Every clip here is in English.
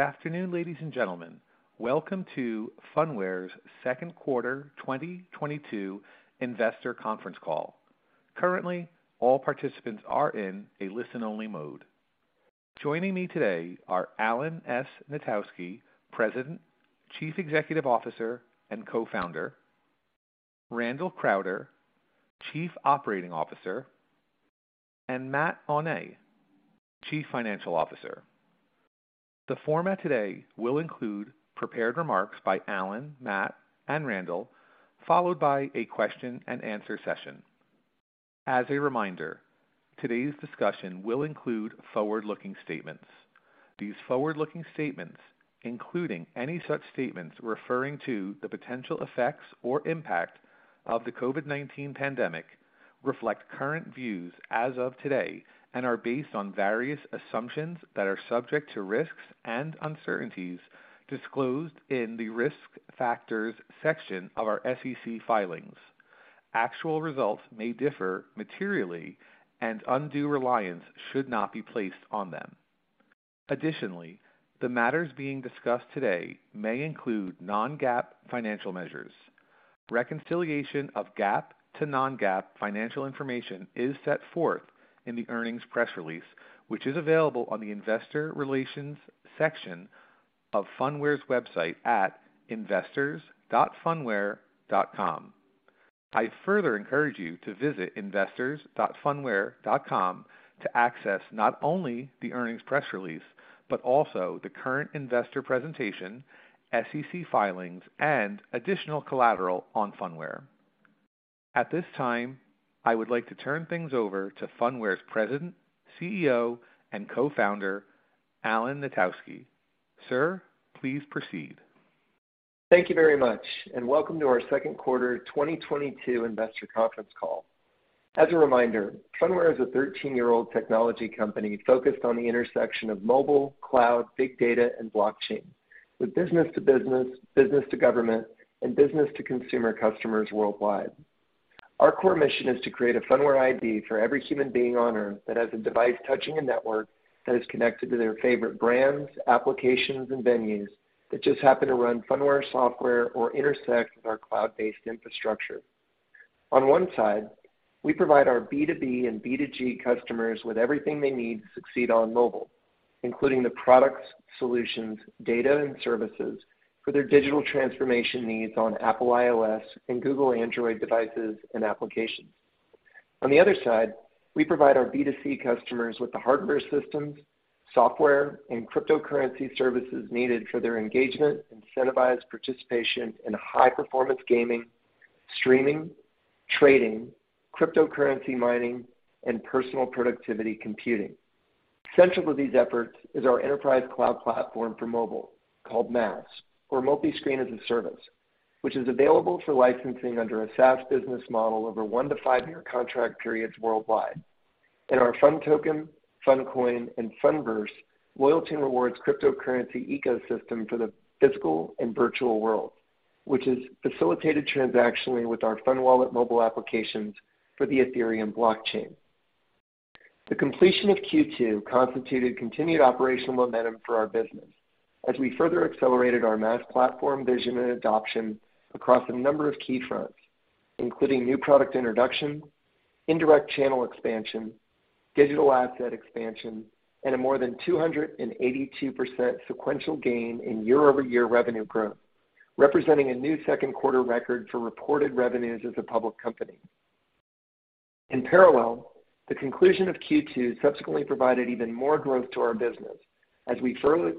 Good afternoon, ladies and gentlemen. Welcome to Phunware's second quarter 2022 investor conference call. Currently, all participants are in a listen-only mode. Joining me today are Alan S. Knitowski, President, Chief Executive Officer, and Co-Founder. Randall Crowder, Chief Operating Officer, and Matt Aune, Chief Financial Officer. The format today will include prepared remarks by Alan, Matt, and Randall, followed by a question-and-answer session. As a reminder, today's discussion will include forward-looking statements. These forward-looking statements, including any such statements referring to the potential effects or impact of the COVID-19 pandemic, reflect current views as of today and are based on various assumptions that are subject to risks and uncertainties disclosed in the Risk Factors section of our SEC filings. Actual results may differ materially, and undue reliance should not be placed on them. Additionally, the matters being discussed today may include non-GAAP financial measures. Reconciliation of GAAP to non-GAAP financial information is set forth in the earnings press release, which is available on the Investor Relations section of Phunware's website at investors.phunware.com. I further encourage you to visit investors.phunware.com to access not only the earnings press release, but also the current investor presentation, SEC filings, and additional collateral on Phunware. At this time, I would like to turn things over to Phunware's President, CEO, and Co-Founder, Alan Knitowski. Sir, please proceed. Thank you very much, and welcome to our second quarter 2022 investor conference call. As a reminder, Phunware is a 13-year-old technology company focused on the intersection of mobile, cloud, big data, and blockchain with business-to-business, business-to-government, and business-to-consumer customers worldwide. Our core mission is to create a Phunware ID for every human being on Earth that has a device touching a network that is connected to their favorite brands, applications, and venues that just happen to run Phunware software or intersect with our cloud-based infrastructure. On one side, we provide our B2B and B2G customers with everything they need to succeed on mobile, including the products, solutions, data, and services for their digital transformation needs on Apple iOS and Google Android devices and applications. On the other side, we provide our B2C customers with the hardware systems, software, and cryptocurrency services needed for their engagement, incentivized participation in high-performance gaming, streaming, trading, cryptocurrency mining, and personal productivity computing. Central to these efforts is our enterprise cloud platform for mobile called MaaS, or Multi-Screen as a Service, which is available for licensing under a SaaS business model over one- to five-year contract periods worldwide. Our PhunToken, PhunCoin, and PhunVerse loyalty and rewards cryptocurrency ecosystem for the physical and virtual world, which is facilitated transactionally with our PhunWallet mobile application for the Ethereum blockchain. The completion of Q2 constituted continued operational momentum for our business as we further accelerated our MaaS platform vision and adoption across a number of key fronts, including new product introduction, indirect channel expansion, digital asset expansion, and a more than 282% sequential gain in year-over-year revenue growth, representing a new second quarter record for reported revenues as a public company. In parallel, the conclusion of Q2 subsequently provided even more growth to our business as we further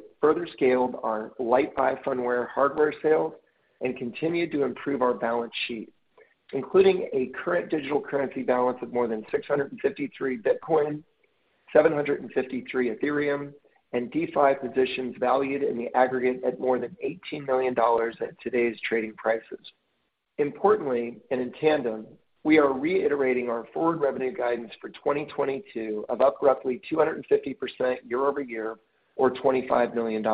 scaled our Lyte by Phunware hardware sales and continued to improve our balance sheet, including a current digital currency balance of more than 653 bitcoin, 753 ethereum, and DeFi positions valued in the aggregate at more than $18 million at today's trading prices. Importantly, and in tandem, we are reiterating our forward revenue guidance for 2022 of up roughly 250% year-over-year, or $25 million.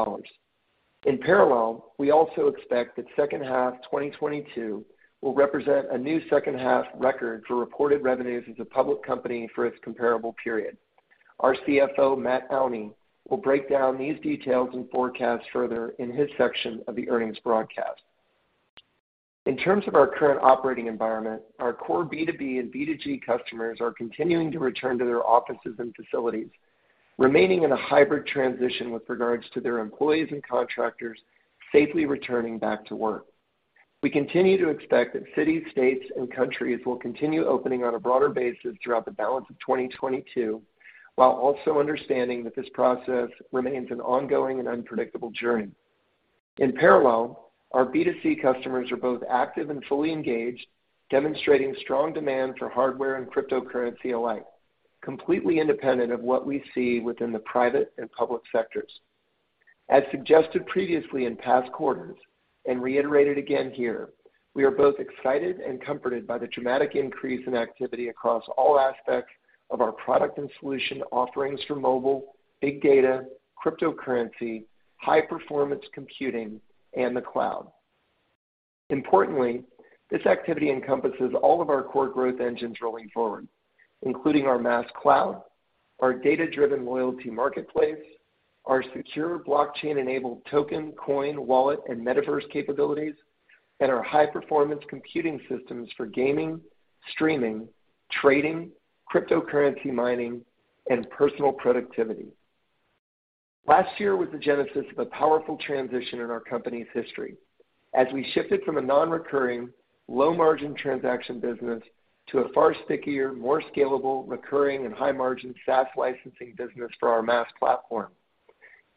In parallel, we also expect that second half 2022 will represent a new second half record for reported revenues as a public company for its comparable period. Our CFO, Matt Aune, will break down these details and forecasts further in his section of the earnings broadcast. In terms of our current operating environment, our core B2B and B2G customers are continuing to return to their offices and facilities, remaining in a hybrid transition with regards to their employees and contractors safely returning back to work. We continue to expect that cities, states, and countries will continue opening on a broader basis throughout the balance of 2022, while also understanding that this process remains an ongoing and unpredictable journey. In parallel, our B2C customers are both active and fully engaged, demonstrating strong demand for hardware and cryptocurrency alike, completely independent of what we see within the private and public sectors. As suggested previously in past quarters, and reiterated again here, we are both excited and comforted by the dramatic increase in activity across all aspects of our product and solution offerings for mobile, big data, cryptocurrency, high-performance computing, and the cloud. Importantly, this activity encompasses all of our core growth engines rolling forward, including our MaaS Cloud, our data-driven loyalty marketplace, our secure blockchain-enabled token, coin, wallet, and metaverse capabilities, and our high-performance computing systems for gaming, streaming, trading, cryptocurrency mining, and personal productivity. Last year was the genesis of a powerful transition in our company's history as we shifted from a non-recurring, low-margin transaction business to a far stickier, more scalable, recurring, and high-margin SaaS licensing business for our MaaS platform.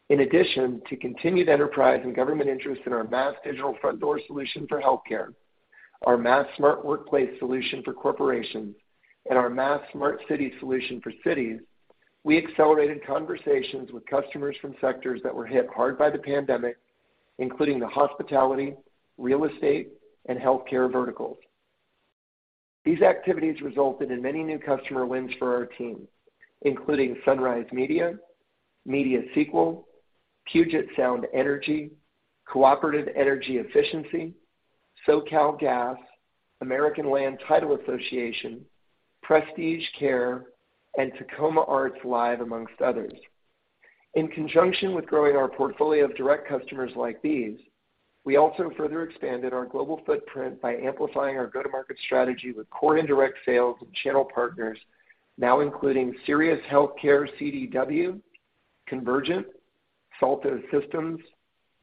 In addition to continued enterprise and government interest in our MaaS Digital Front Door solution for healthcare, our MaaS Smart Workplace solution for corporations, and our MaaS Smart City solution for cities, we accelerated conversations with customers from sectors that were hit hard by the pandemic, including the hospitality, real estate, and healthcare verticals. These activities resulted in many new customer wins for our team, including Sunrise Media, MediaSequel, Puget Sound Energy, Cooperative Energy Efficiency, SoCalGas, American Land Title Association, Prestige Care, and Tacoma Arts Live, amongst others. In conjunction with growing our portfolio of direct customers like these, we also further expanded our global footprint by amplifying our go-to-market strategy with core indirect sales and channel partners now including Sirius, Healthcare CDW, Convergint, SALTO Systems,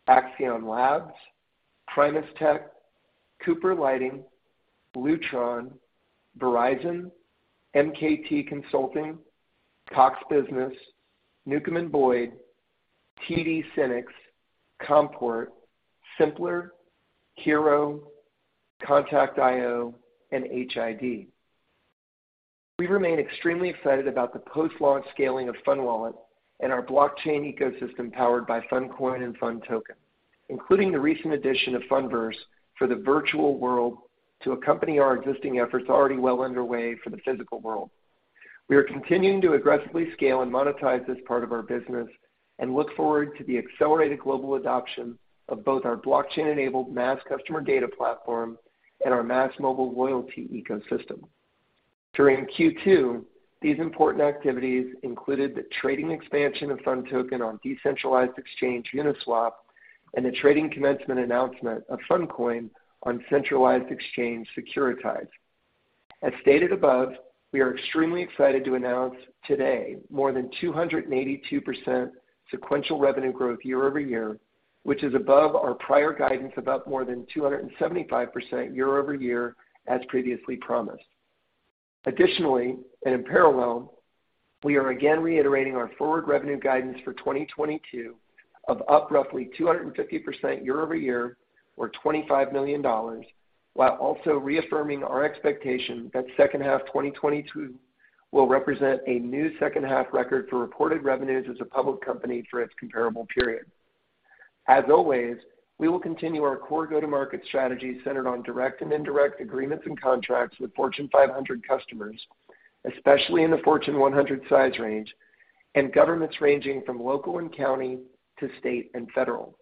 Accion Labs, PrimusTech, Cooper Lighting, Lutron, Verizon, MKT Consulting, Cox Business, Newcomb & Boyd, TD SYNNEX, Comport, Simplr, Hero, Contact.io, and HID. We remain extremely excited about the post-launch scaling of PhunWallet and our blockchain ecosystem powered by PhunCoin and PhunToken, including the recent addition of PhunVerse for the virtual world to accompany our existing efforts already well underway for the physical world. We are continuing to aggressively scale and monetize this part of our business and look forward to the accelerated global adoption of both our blockchain-enabled MaaS customer data platform and our MaaS Mobile Loyalty ecosystem. During Q2, these important activities included the trading expansion of PhunToken on decentralized exchange Uniswap and the trading commencement announcement of PhunCoin on centralized exchange Securitize. As stated above, we are extremely excited to announce today more than 282% sequential revenue growth year-over-year, which is above our prior guidance of up more than 275% year-over-year as previously promised. Additionally, and in parallel, we are again reiterating our forward revenue guidance for 2022 of up roughly 250% year-over-year or $25 million, while also reaffirming our expectation that second half 2022 will represent a new second half record for reported revenues as a public company for its comparable period. As always, we will continue our core go-to-market strategy centered on direct and indirect agreements and contracts with Fortune 500 customers, especially in the Fortune 100 size range and governments ranging from local and county to state and federal.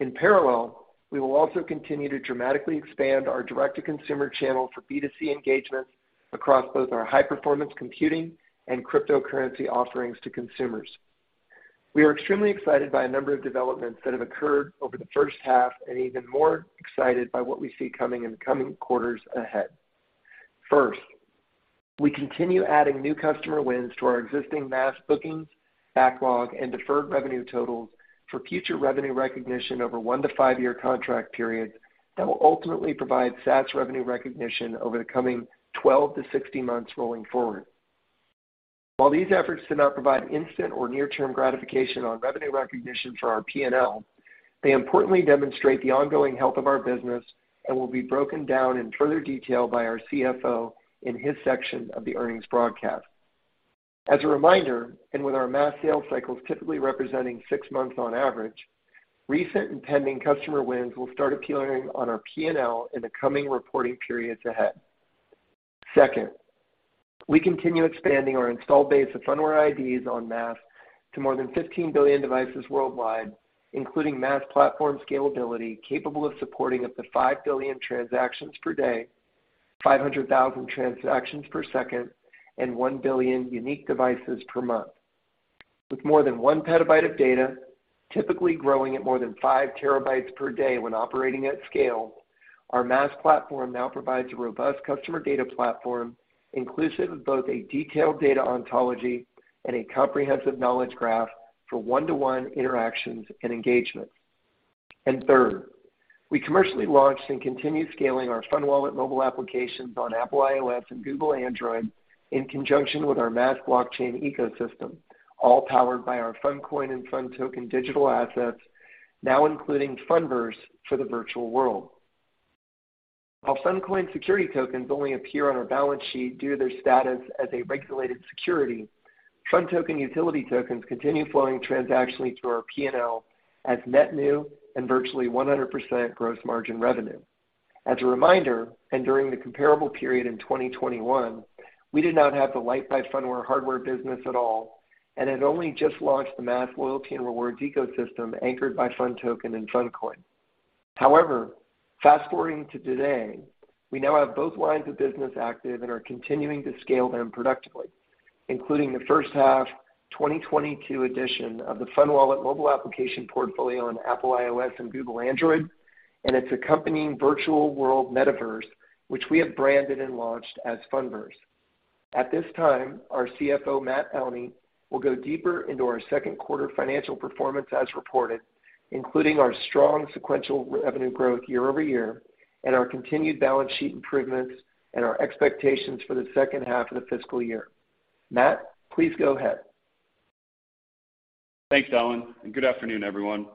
In parallel, we will also continue to dramatically expand our direct-to-consumer channel for B2C engagements across both our high-performance computing and cryptocurrency offerings to consumers. We are extremely excited by a number of developments that have occurred over the first half and even more excited by what we see coming in the coming quarters ahead. First, we continue adding new customer wins to our existing MaaS bookings, backlog, and deferred revenue totals for future revenue recognition over one- to five-year contract periods that will ultimately provide SaaS revenue recognition over the coming 12-16 months rolling forward. While these efforts do not provide instant or near-term gratification on revenue recognition for our P&L, they importantly demonstrate the ongoing health of our business and will be broken down in further detail by our CFO in his section of the earnings broadcast. As a reminder, and with our MaaS sales cycles typically representing six months on average, recent and pending customer wins will start appearing on our P&L in the coming reporting periods ahead. Second, we continue expanding our installed base of Phunware IDs on MaaS to more than 15 billion devices worldwide, including MaaS platform scalability capable of supporting up to 5 billion transactions per day, 500,000 transactions per second, and 1 billion unique devices per month. With more than 1 PB of data, typically growing at more than 5 TB per day when operating at scale, our MaaS platform now provides a robust customer data platform inclusive of both a detailed data ontology and a comprehensive knowledge graph for one-to-one interactions and engagement. Third, we commercially launched and continue scaling our PhunWallet mobile applications on Apple iOS and Google Android in conjunction with our MaaS blockchain ecosystem, all powered by our PhunCoin and PhunToken digital assets, now including PhunVerse for the virtual world. While PhunCoin security tokens only appear on our balance sheet due to their status as a regulated security, PhunToken utility tokens continue flowing transactionally through our P&L as net new and virtually 100% gross margin revenue. As a reminder, during the comparable period in 2021, we did not have the Lyte by Phunware hardware business at all. Has only just launched the MaaS loyalty and rewards ecosystem anchored by PhunToken and PhunCoin. However, fast-forwarding to today, we now have both lines of business active and are continuing to scale them productively, including the first half 2022 edition of the PhunWallet mobile application portfolio on Apple iOS and Google Android, and its accompanying virtual world metaverse, which we have branded and launched as PhunVerse. At this time, our CFO, Matt Aune, will go deeper into our second quarter financial performance as reported, including our strong sequential revenue growth year-over-year and our continued balance sheet improvements and our expectations for the second half of the fiscal year. Matt, please go ahead. Thanks, Alan, and good afternoon, everyone.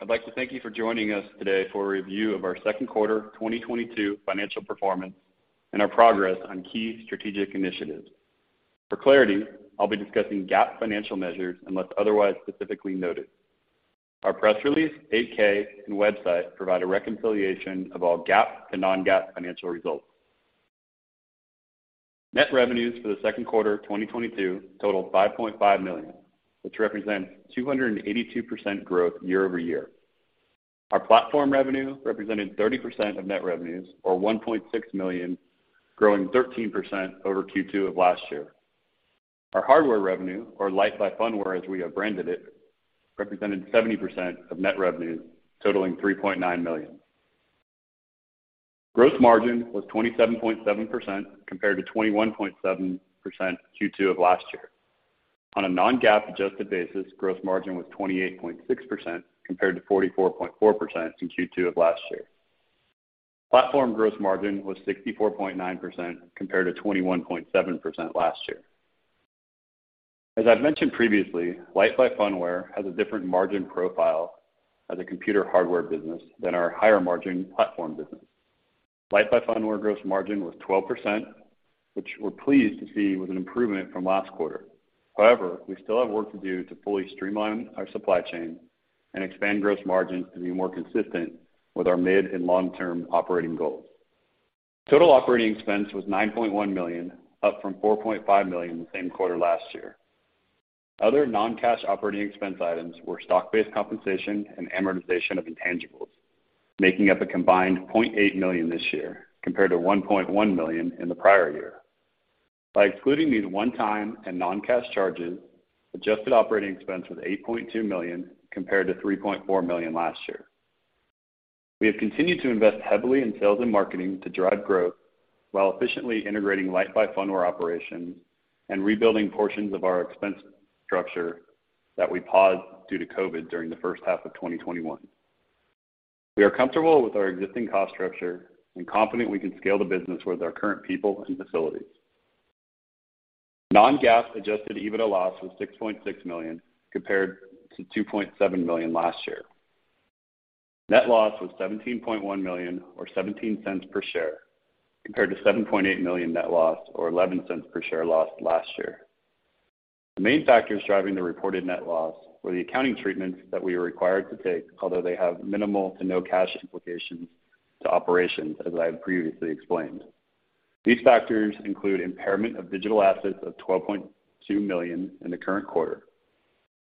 I'd like to thank you for joining us today for a review of our second quarter 2022 financial performance and our progress on key strategic initiatives. For clarity, I'll be discussing GAAP financial measures unless otherwise specifically noted. Our press release, 8-K, and website provide a reconciliation of all GAAP to non-GAAP financial results. Net revenues for the second quarter 2022 totaled $5.5 million, which represent 282% growth year-over-year. Our platform revenue represented 30% of net revenues or $1.6 million, growing 13% over Q2 of last year. Our hardware revenue, or Lyte by Phunware, as we have branded it, represented 70% of net revenue, totaling $3.9 million. Gross margin was 27.7% compared to 21.7% Q2 of last year. On a non-GAAP adjusted basis, gross margin was 28.6% compared to 44.4% in Q2 of last year. Platform gross margin was 64.9% compared to 21.7% last year. As I've mentioned previously, Lyte by Phunware has a different margin profile as a computer hardware business than our higher margin platform business. Lyte by Phunware gross margin was 12%, which we're pleased to see was an improvement from last quarter. However, we still have work to do to fully streamline our supply chain and expand gross margin to be more consistent with our mid and long-term operating goals. Total operating expense was $9.1 million, up from $4.5 million the same quarter last year. Other non-cash operating expense items were stock-based compensation and amortization of intangibles, making up a combined $0.8 million this year, compared to $1.1 million in the prior year. By excluding these one-time and non-cash charges, adjusted operating expense was $8.2 million compared to $3.4 million last year. We have continued to invest heavily in sales and marketing to drive growth while efficiently integrating Lyte by Phunware operations and rebuilding portions of our expense structure that we paused due to COVID during the first half of 2021. We are comfortable with our existing cost structure and confident we can scale the business with our current people and facilities. Non-GAAP adjusted EBITDA loss was $6.6 million, compared to $2.7 million last year. Net loss was $17.1 million or $0.17 per share, compared to $7.8 million net loss or $0.11 per share loss last year. The main factors driving the reported net loss were the accounting treatments that we were required to take, although they have minimal to no cash implications to operations, as I have previously explained. These factors include impairment of digital assets of $12.2 million in the current quarter.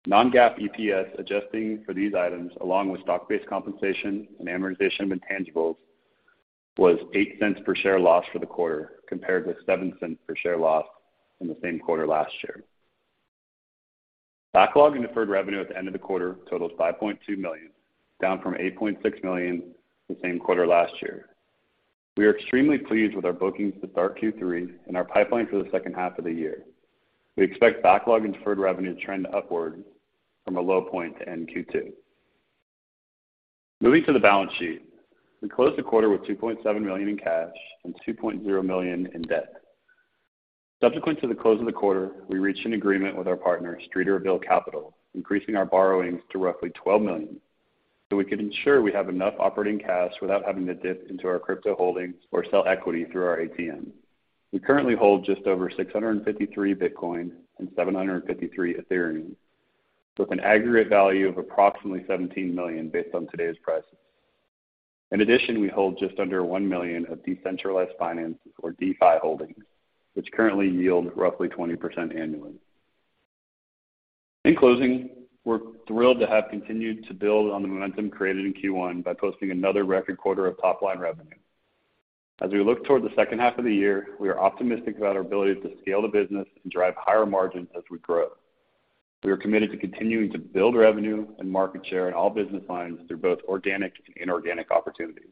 Non-GAAP EPS, adjusting for these items, along with stock-based compensation and amortization of intangibles, was $0.08 per share loss for the quarter, compared with $0.07 per share loss in the same quarter last year. Backlog and deferred revenue at the end of the quarter totals $5.2 million, down from $8.6 million the same quarter last year. We are extremely pleased with our bookings to start Q3 and our pipeline for the second half of the year. We expect backlog and deferred revenue to trend upward from a low point to end Q2. Moving to the balance sheet. We closed the quarter with $2.7 million in cash and $2.0 million in debt. Subsequent to the close of the quarter, we reached an agreement with our partner, Streeterville Capital, increasing our borrowings to roughly $12 million, so we could ensure we have enough operating cash without having to dip into our crypto holdings or sell equity through our ATM. We currently hold just over 653 bitcoin and 753 ethereum, with an aggregate value of approximately $17 million based on today's prices. In addition, we hold just under $1 million of decentralized finance, or DeFi holdings, which currently yield roughly 20% annually. In closing, we're thrilled to have continued to build on the momentum created in Q1 by posting another record quarter of top line revenue. As we look toward the second half of the year, we are optimistic about our ability to scale the business and drive higher margins as we grow. We are committed to continuing to build revenue and market share in all business lines through both organic and inorganic opportunities.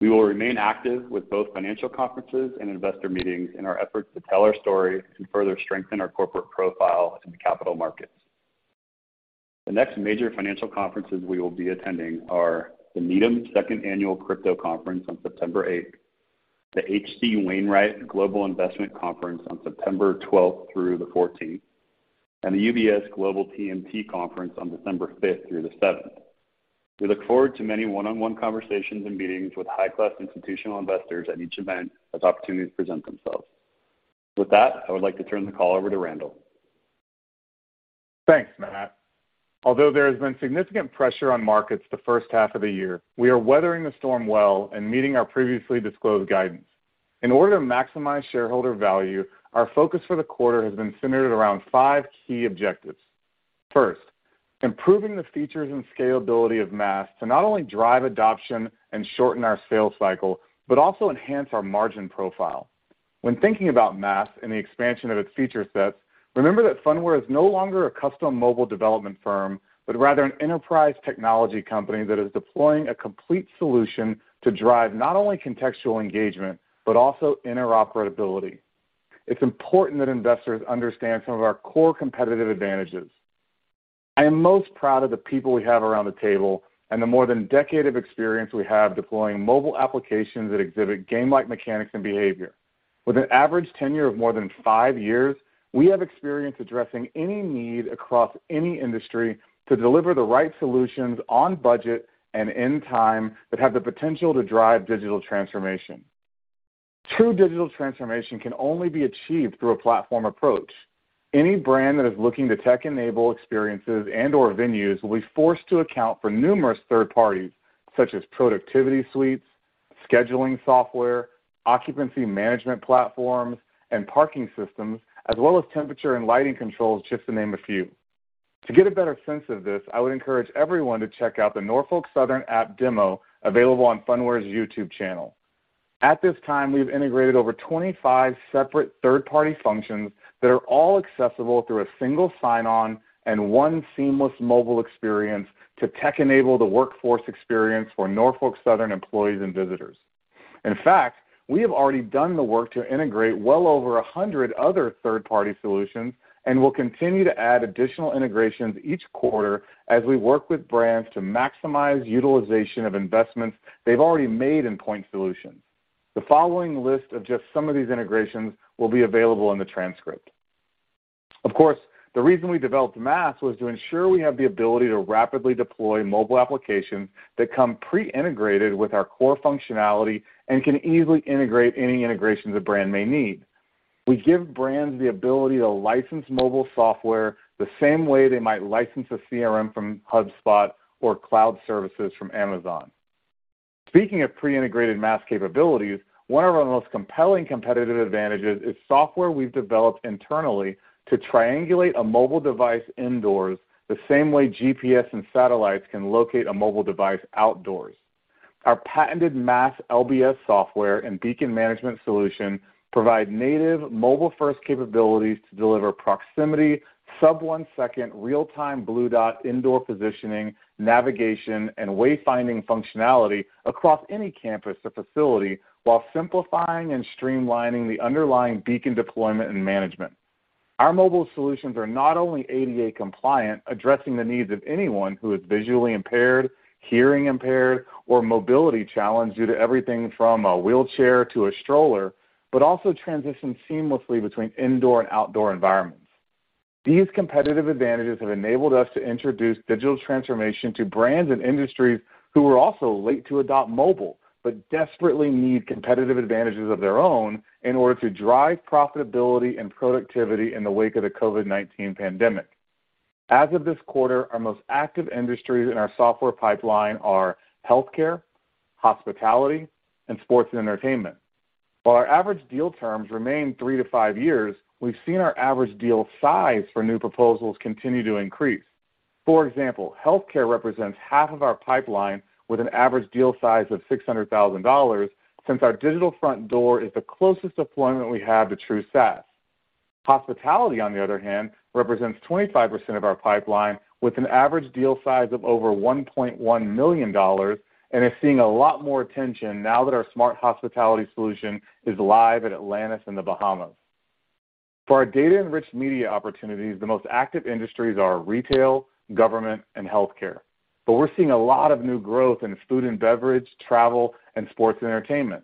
We will remain active with both financial conferences and investor meetings in our efforts to tell our story and further strengthen our corporate profile in the capital markets. The next major financial conferences we will be attending are the Needham 2nd Annual Crypto Conference on September 8th, the H.C. Wainwright Global Investment Conference on September 12th through the 14th, and the UBS Global TMT Conference on December 5th through the 7th. We look forward to many one-on-one conversations and meetings with high-class institutional investors at each event as opportunities present themselves. With that, I would like to turn the call over to Randall. Thanks, Matt. Although there has been significant pressure on markets the first half of the year, we are weathering the storm well and meeting our previously disclosed guidance. In order to maximize shareholder value, our focus for the quarter has been centered around five key objectives. First, improving the features and scalability of MaaS to not only drive adoption and shorten our sales cycle, but also enhance our margin profile. When thinking about MaaS and the expansion of its feature sets, remember that Phunware is no longer a custom mobile development firm, but rather an enterprise technology company that is deploying a complete solution to drive not only contextual engagement, but also interoperability. It's important that investors understand some of our core competitive advantages. I am most proud of the people we have around the table and the more than decade of experience we have deploying mobile applications that exhibit game-like mechanics and behavior. With an average tenure of more than five years, we have experience addressing any need across any industry to deliver the right solutions on budget and in time that have the potential to drive digital transformation. True digital transformation can only be achieved through a platform approach. Any brand that is looking to tech-enable experiences and/or venues will be forced to account for numerous third parties, such as productivity suites, scheduling software, occupancy management platforms, and parking systems, as well as temperature and lighting controls, just to name a few. To get a better sense of this, I would encourage everyone to check out the Norfolk Southern app demo available on Phunware's YouTube channel. At this time, we've integrated over 25 separate third-party functions that are all accessible through a single sign-on and one seamless mobile experience to tech-enable the workforce experience for Norfolk Southern employees and visitors. In fact, we have already done the work to integrate well over 100 other third-party solutions, and we'll continue to add additional integrations each quarter as we work with brands to maximize utilization of investments they've already made in point solutions. The following list of just some of these integrations will be available in the transcript. Of course, the reason we developed MaaS was to ensure we have the ability to rapidly deploy mobile applications that come pre-integrated with our core functionality and can easily integrate any integrations a brand may need. We give brands the ability to license mobile software the same way they might license a CRM from HubSpot or cloud services from Amazon. Speaking of pre-integrated MaaS capabilities, one of our most compelling competitive advantages is software we've developed internally to triangulate a mobile device indoors the same way GPS and satellites can locate a mobile device outdoors. Our patented MaaS LBS software and beacon management solution provide native mobile-first capabilities to deliver proximity, sub-one-second real-time blue dot indoor positioning, navigation, and way-finding functionality across any campus or facility while simplifying and streamlining the underlying beacon deployment and management. Our mobile solutions are not only ADA compliant, addressing the needs of anyone who is visually impaired, hearing-impaired, or mobility-challenged due to everything from a wheelchair to a stroller, but also transition seamlessly between indoor and outdoor environments. These competitive advantages have enabled us to introduce digital transformation to brands and industries who were also late to adopt mobile, but desperately need competitive advantages of their own in order to drive profitability and productivity in the wake of the COVID-19 pandemic. As of this quarter, our most active industries in our software pipeline are healthcare, hospitality, and sports and entertainment. While our average deal terms remain three to five years, we've seen our average deal size for new proposals continue to increase. For example, healthcare represents half of our pipeline with an average deal size of $600,000 since our Digital Front Door is the closest deployment we have to true SaaS. Hospitality, on the other hand, represents 25% of our pipeline with an average deal size of over $1.1 million and is seeing a lot more attention now that our smart hospitality solution is live at Atlantis in the Bahamas. For our data-enriched media opportunities, the most active industries are retail, government, and healthcare, but we're seeing a lot of new growth in food and beverage, travel, and sports and entertainment.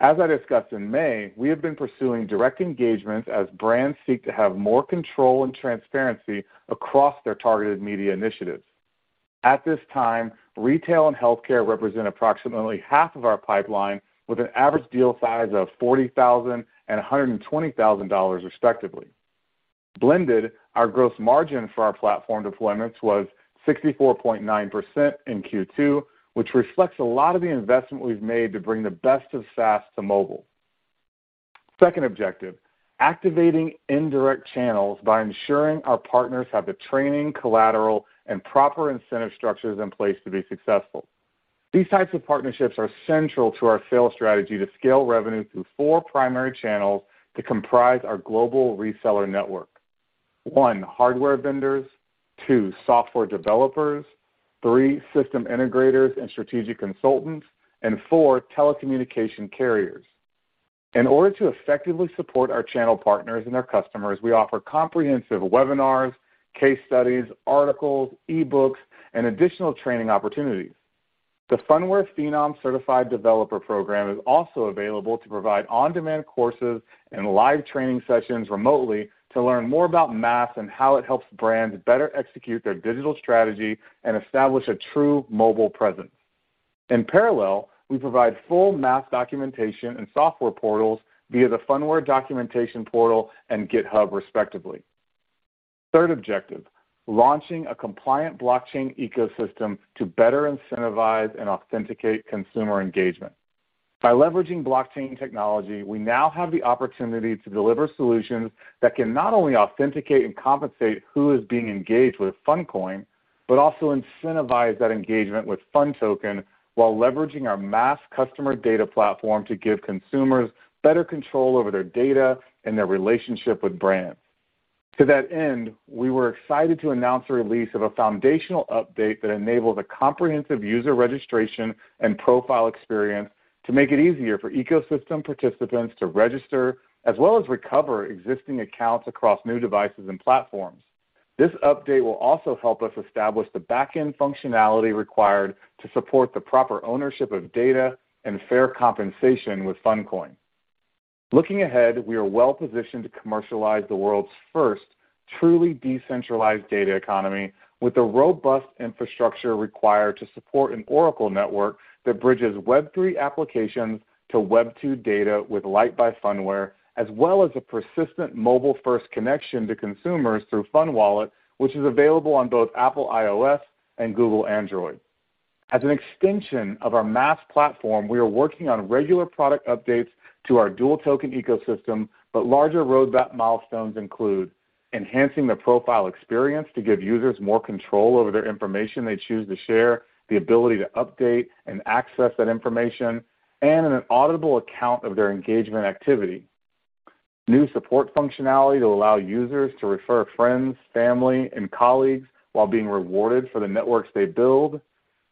As I discussed in May, we have been pursuing direct engagements as brands seek to have more control and transparency across their targeted media initiatives. At this time, retail and healthcare represent approximately half of our pipeline with an average deal size of $40,000 and $120,000, respectively. Blended, our gross margin for our platform deployments was 64.9% in Q2, which reflects a lot of the investment we've made to bring the best of SaaS to mobile. Second objective, activating indirect channels by ensuring our partners have the training, collateral, and proper incentive structures in place to be successful. These types of partnerships are central to our sales strategy to scale revenue through four primary channels that comprise our global reseller network. One, hardware vendors. Two, software developers. Three, system integrators and strategic consultants. Four, telecommunication carriers. In order to effectively support our channel partners and our customers, we offer comprehensive webinars, case studies, articles, e-books, and additional training opportunities. The Phunware Phenom Certified Developer Program is also available to provide on-demand courses and live training sessions remotely to learn more about MaaS and how it helps brands better execute their digital strategy and establish a true mobile presence. In parallel, we provide full MaaS documentation and software portals via the Phunware documentation portal and GitHub respectively. Third objective, launching a compliant blockchain ecosystem to better incentivize and authenticate consumer engagement. By leveraging blockchain technology, we now have the opportunity to deliver solutions that can not only authenticate and compensate who is being engaged with PhunCoin, but also incentivize that engagement with PhunToken while leveraging our MaaS customer data platform to give consumers better control over their data and their relationship with brands. To that end, we were excited to announce the release of a foundational update that enables a comprehensive user registration and profile experience to make it easier for ecosystem participants to register as well as recover existing accounts across new devices and platforms. This update will also help us establish the back-end functionality required to support the proper ownership of data and fair compensation with PhunCoin. Looking ahead, we are well-positioned to commercialize the world's first truly decentralized data economy with the robust infrastructure required to support an Oracle network that bridges Web3 applications to Web2 data with Lyte by Phunware, as well as a persistent mobile-first connection to consumers through PhunWallet, which is available on both Apple iOS and Google Android. As an extension of our MaaS platform, we are working on regular product updates to our dual token ecosystem, but larger roadmap milestones include enhancing the profile experience to give users more control over their information they choose to share, the ability to update and access that information, and an auditable account of their engagement activity. New support functionality to allow users to refer friends, family, and colleagues while being rewarded for the networks they build,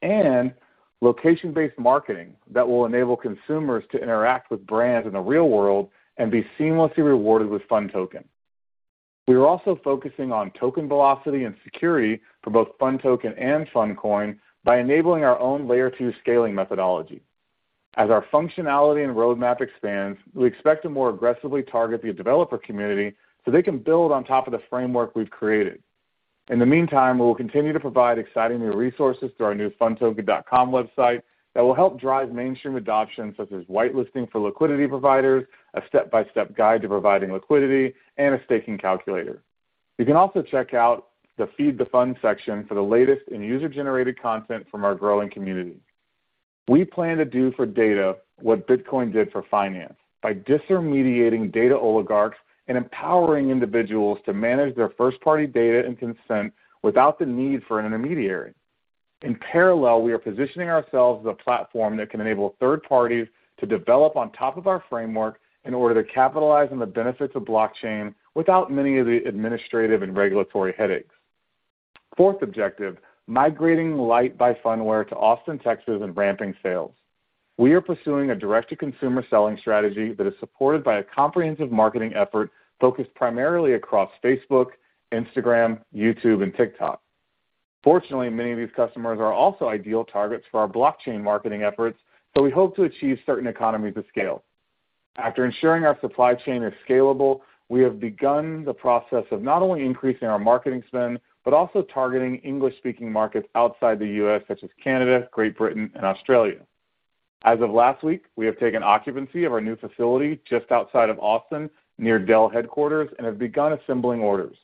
and location-based marketing that will enable consumers to interact with brands in the real world and be seamlessly rewarded with PhunToken. We are also focusing on token velocity and security for both PhunToken and PhunCoin by enabling our own Layer 2 scaling methodology. As our functionality and roadmap expands, we expect to more aggressively target the developer community so they can build on top of the framework we've created. In the meantime, we will continue to provide exciting new resources through our new PhunToken.com website that will help drive mainstream adoption such as whitelisting for liquidity providers, a step-by-step guide to providing liquidity, and a staking calculator. You can also check out the Feed the Fun section for the latest in user-generated content from our growing community. We plan to do for data what Bitcoin did for finance by disintermediating data oligarchs and empowering individuals to manage their first-party data and consent without the need for an intermediary. In parallel, we are positioning ourselves as a platform that can enable third parties to develop on top of our framework in order to capitalize on the benefits of blockchain without many of the administrative and regulatory headaches. Fourth objective, migrating Lyte by Phunware to Austin, Texas, and ramping sales. We are pursuing a direct-to-consumer selling strategy that is supported by a comprehensive marketing effort focused primarily across Facebook, Instagram, YouTube, and TikTok. Fortunately, many of these customers are also ideal targets for our blockchain marketing efforts, so we hope to achieve certain economies of scale. After ensuring our supply chain is scalable, we have begun the process of not only increasing our marketing spend, but also targeting English-speaking markets outside the U.S., such as Canada, Great Britain, and Australia. As of last week, we have taken occupancy of our new facility just outside of Austin, near Dell headquarters, and have begun assembling orders.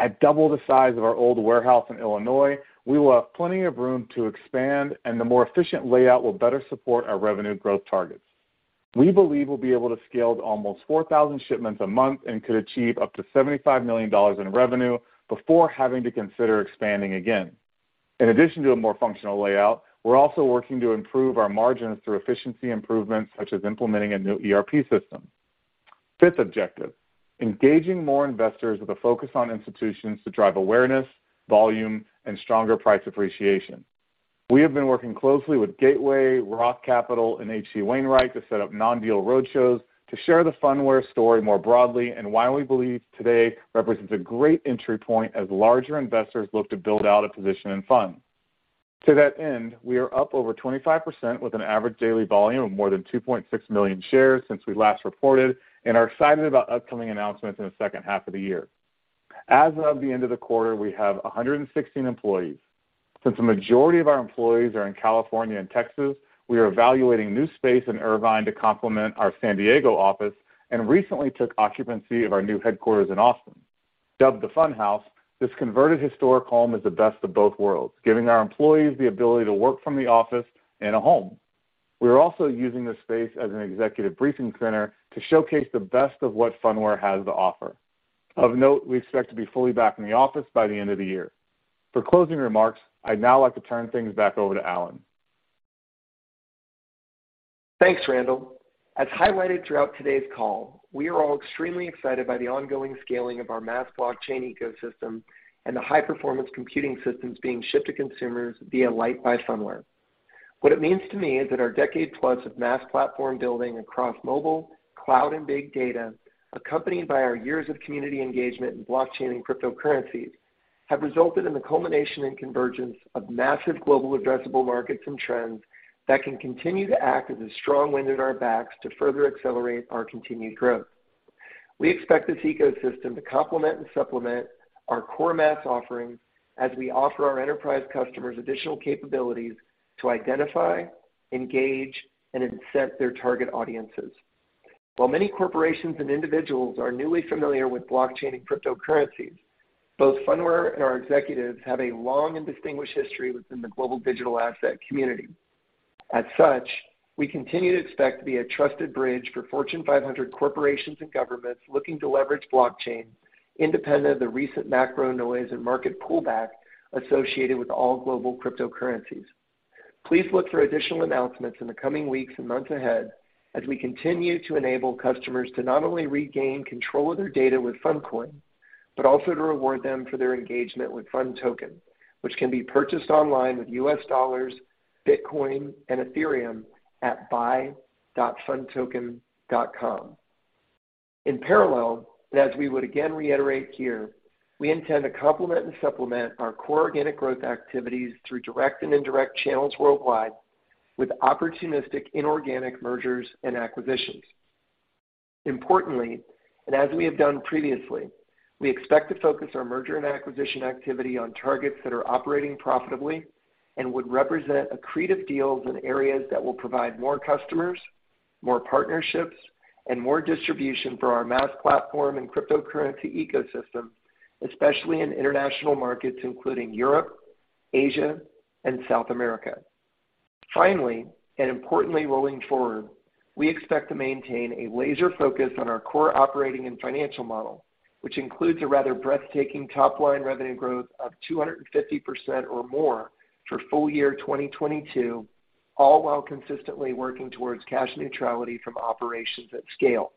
At double the size of our old warehouse in Illinois, we will have plenty of room to expand, and the more efficient layout will better support our revenue growth targets. We believe we'll be able to scale to almost 4,000 shipments a month and could achieve up to $75 million in revenue before having to consider expanding again. In addition to a more functional layout, we're also working to improve our margins through efficiency improvements, such as implementing a new ERP system. Fifth objective, engaging more investors with a focus on institutions to drive awareness, volume, and stronger price appreciation. We have been working closely with Gateway, Roth Capital, and H.C. Wainwright to set up non-deal roadshows to share the Phunware story more broadly and why we believe today represents a great entry point as larger investors look to build out a position in Phun. To that end, we are up over 25% with an average daily volume of more than 2.6 million shares since we last reported and are excited about upcoming announcements in the second half of the year. As of the end of the quarter, we have 116 employees. Since the majority of our employees are in California and Texas, we are evaluating new space in Irvine to complement our San Diego office and recently took occupancy of our new headquarters in Austin. Dubbed the [Fun House], this converted historic home is the best of both worlds, giving our employees the ability to work from the office and a home. We are also using this space as an executive briefing center to showcase the best of what Phunware has to offer. Of note, we expect to be fully back in the office by the end of the year. For closing remarks, I'd now like to turn things back over to Alan. Thanks, Randall. As highlighted throughout today's call, we are all extremely excited by the ongoing scaling of our MaaS blockchain ecosystem and the high-performance computing systems being shipped to consumers via Lyte by Phunware. What it means to me is that our decade plus of MaaS platform building across mobile, cloud, and big data, accompanied by our years of community engagement in blockchain and cryptocurrencies, have resulted in the culmination and convergence of massive global addressable markets and trends that can continue to act as a strong wind at our backs to further accelerate our continued growth. We expect this ecosystem to complement and supplement our core MaaS offerings as we offer our enterprise customers additional capabilities to identify, engage, and incent their target audiences. While many corporations and individuals are newly familiar with blockchain and cryptocurrencies, both Phunware and our executives have a long and distinguished history within the global digital asset community. As such, we continue to expect to be a trusted bridge for Fortune 500 corporations and governments looking to leverage blockchain independent of the recent macro noise and market pullback associated with all global cryptocurrencies. Please look for additional announcements in the coming weeks and months ahead as we continue to enable customers to not only regain control of their data with PhunCoin, but also to reward them for their engagement with PhunToken, which can be purchased online with U.S. dollars, Bitcoin, and Ethereum at buy.phuntoken.com. In parallel, and as we would again reiterate here, we intend to complement and supplement our core organic growth activities through direct and indirect channels worldwide with opportunistic inorganic mergers and acquisitions. Importantly, and as we have done previously, we expect to focus our merger and acquisition activity on targets that are operating profitably and would represent accretive deals in areas that will provide more customers, more partnerships, and more distribution for our MaaS platform and cryptocurrency ecosystem, especially in international markets, including Europe, Asia, and South America. Finally, and importantly rolling forward, we expect to maintain a laser focus on our core operating and financial model, which includes a rather breathtaking top line revenue growth of 250% or more for full year 2022, all while consistently working towards cash neutrality from operations at scale.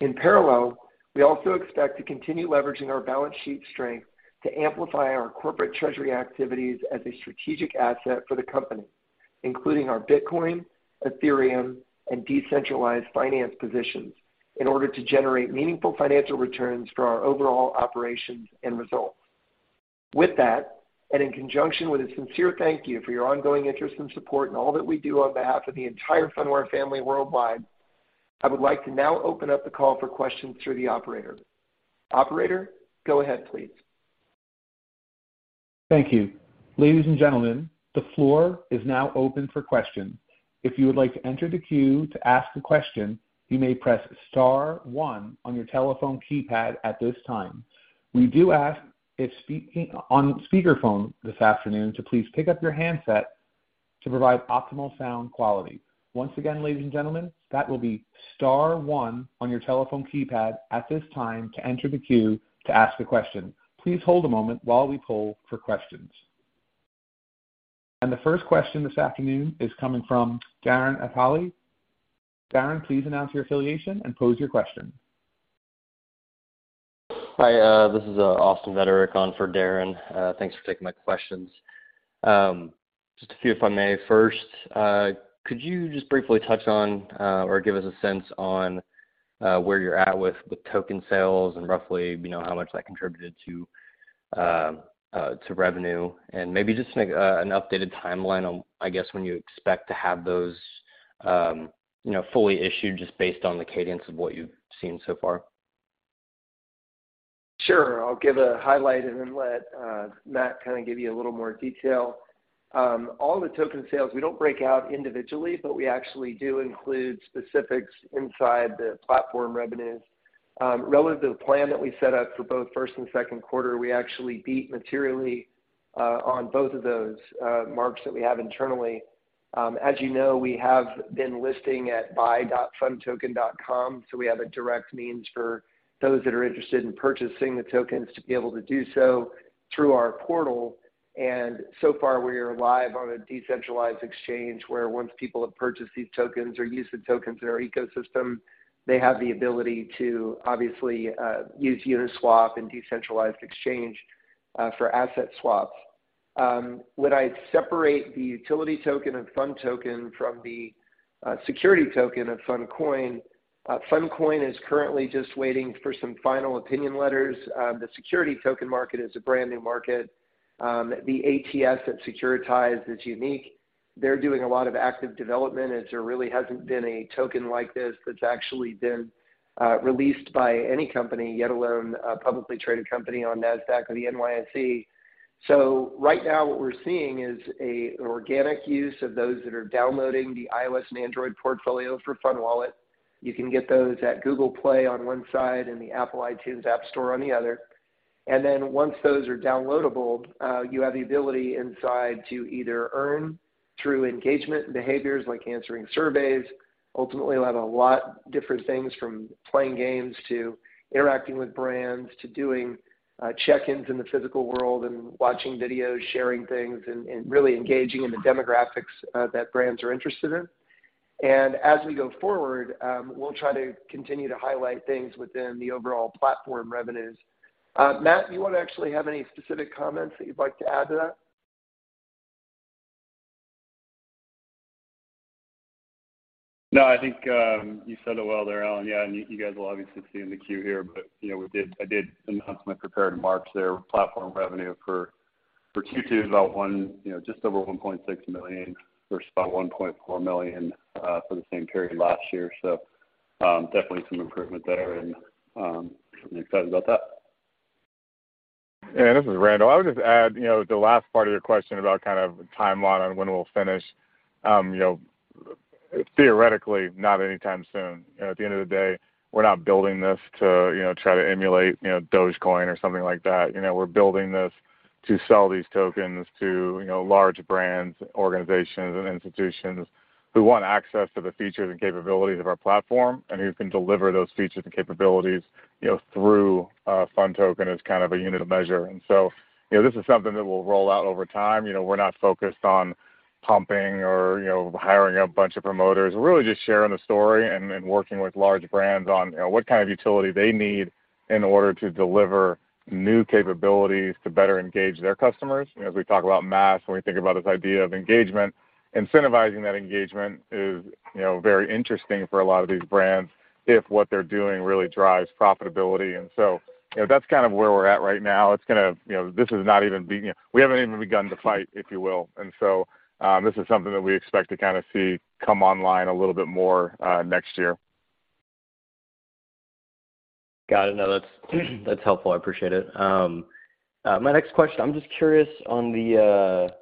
In parallel, we also expect to continue leveraging our balance sheet strength to amplify our corporate treasury activities as a strategic asset for the company, including our Bitcoin, Ethereum, and decentralized finance positions in order to generate meaningful financial returns for our overall operations and results. With that, and in conjunction with a sincere thank you for your ongoing interest and support in all that we do on behalf of the entire Phunware family worldwide, I would like to now open up the call for questions through the operator. Operator, go ahead, please. Thank you. Ladies and gentlemen, the floor is now open for questions. If you would like to enter the queue to ask a question, you may press star one on your telephone keypad at this time. We do ask if speaking on speakerphone this afternoon to please pick up your handset to provide optimal sound quality. Once again, ladies and gentlemen, that will be star one on your telephone keypad at this time to enter the queue to ask a question. Please hold a moment while we poll for questions. The first question this afternoon is coming from Darren Aftahi. Darren, please announce your affiliation and pose your question. Hi, this is Austin Vetterick on for Darren. Thanks for taking my questions. Just a few if I may. First, could you just briefly touch on or give us a sense on where you're at with token sales and roughly, you know, how much that contributed to revenue? Maybe just make an updated timeline on, I guess, when you expect to have those, you know, fully issued just based on the cadence of what you've seen so far. Sure. I'll give a highlight and then let Matt kind of give you a little more detail. All the token sales, we don't break out individually, but we actually do include specifics inside the platform revenues. Relative plan that we set up for both first and second quarter, we actually beat materially on both of those marks that we have internally. As you know, we have been listing at buy.phuntoken.com. So we have a direct means for those that are interested in purchasing the tokens to be able to do so through our portal. So far, we are live on a decentralized exchange, where once people have purchased these tokens or used the tokens in our ecosystem, they have the ability to obviously use Uniswap and decentralized exchange for asset swaps. Would I separate the utility token and PhunToken from the security token of PhunCoin? PhunCoin is currently just waiting for some final opinion letters. The security token market is a brand new market. The ATS at Securitize is unique. They're doing a lot of active development as there really hasn't been a token like this that's actually been released by any company, let alone a publicly traded company on Nasdaq or the NYSE. Right now what we're seeing is an organic use of those that are downloading the iOS and Android apps for PhunWallet. You can get those at Google Play on one side and the Apple iTunes App Store on the other. Then once those are downloadable, you have the ability inside to either earn through engagement behaviors like answering surveys. Ultimately, we'll have a lot different things from playing games to interacting with brands, to doing check-ins in the physical world and watching videos, sharing things and really engaging in the demographics that brands are interested in. As we go forward, we'll try to continue to highlight things within the overall platform revenues. Matt, do you wanna actually have any specific comments that you'd like to add to that? No, I think you said it well there, Alan. Yeah, and you guys will obviously see in the queue here. You know, I did announce my prepared remarks there. Platform revenue for Q2, about, you know, just over $1.6 million versus about $1.4 million for the same period last year. Definitely some improvement there and certainly excited about that. This is Randall. I would just add, you know, the last part of your question about kind of the timeline on when we'll finish. You know, theoretically, not anytime soon. You know, at the end of the day, we're not building this to, you know, try to emulate, you know, Dogecoin or something like that. You know, we're building this to sell these tokens to, you know, large brands, organizations, and institutions who want access to the features and capabilities of our platform, and who can deliver those features and capabilities, you know, through a PhunToken as kind of a unit of measure. You know, this is something that we'll roll out over time. You know, we're not focused on pumping or, you know, hiring a bunch of promoters. We're really just sharing the story and working with large brands on, you know, what kind of utility they need in order to deliver new capabilities to better engage their customers. You know, as we talk about MaaS, when we think about this idea of engagement, incentivizing that engagement is, you know, very interesting for a lot of these brands if what they're doing really drives profitability. You know, that's kind of where we're at right now. We haven't even begun to fight, if you will. This is something that we expect to kinda see come online a little bit more next year. Got it. No, that's helpful. I appreciate it. My next question, I'm just curious on the,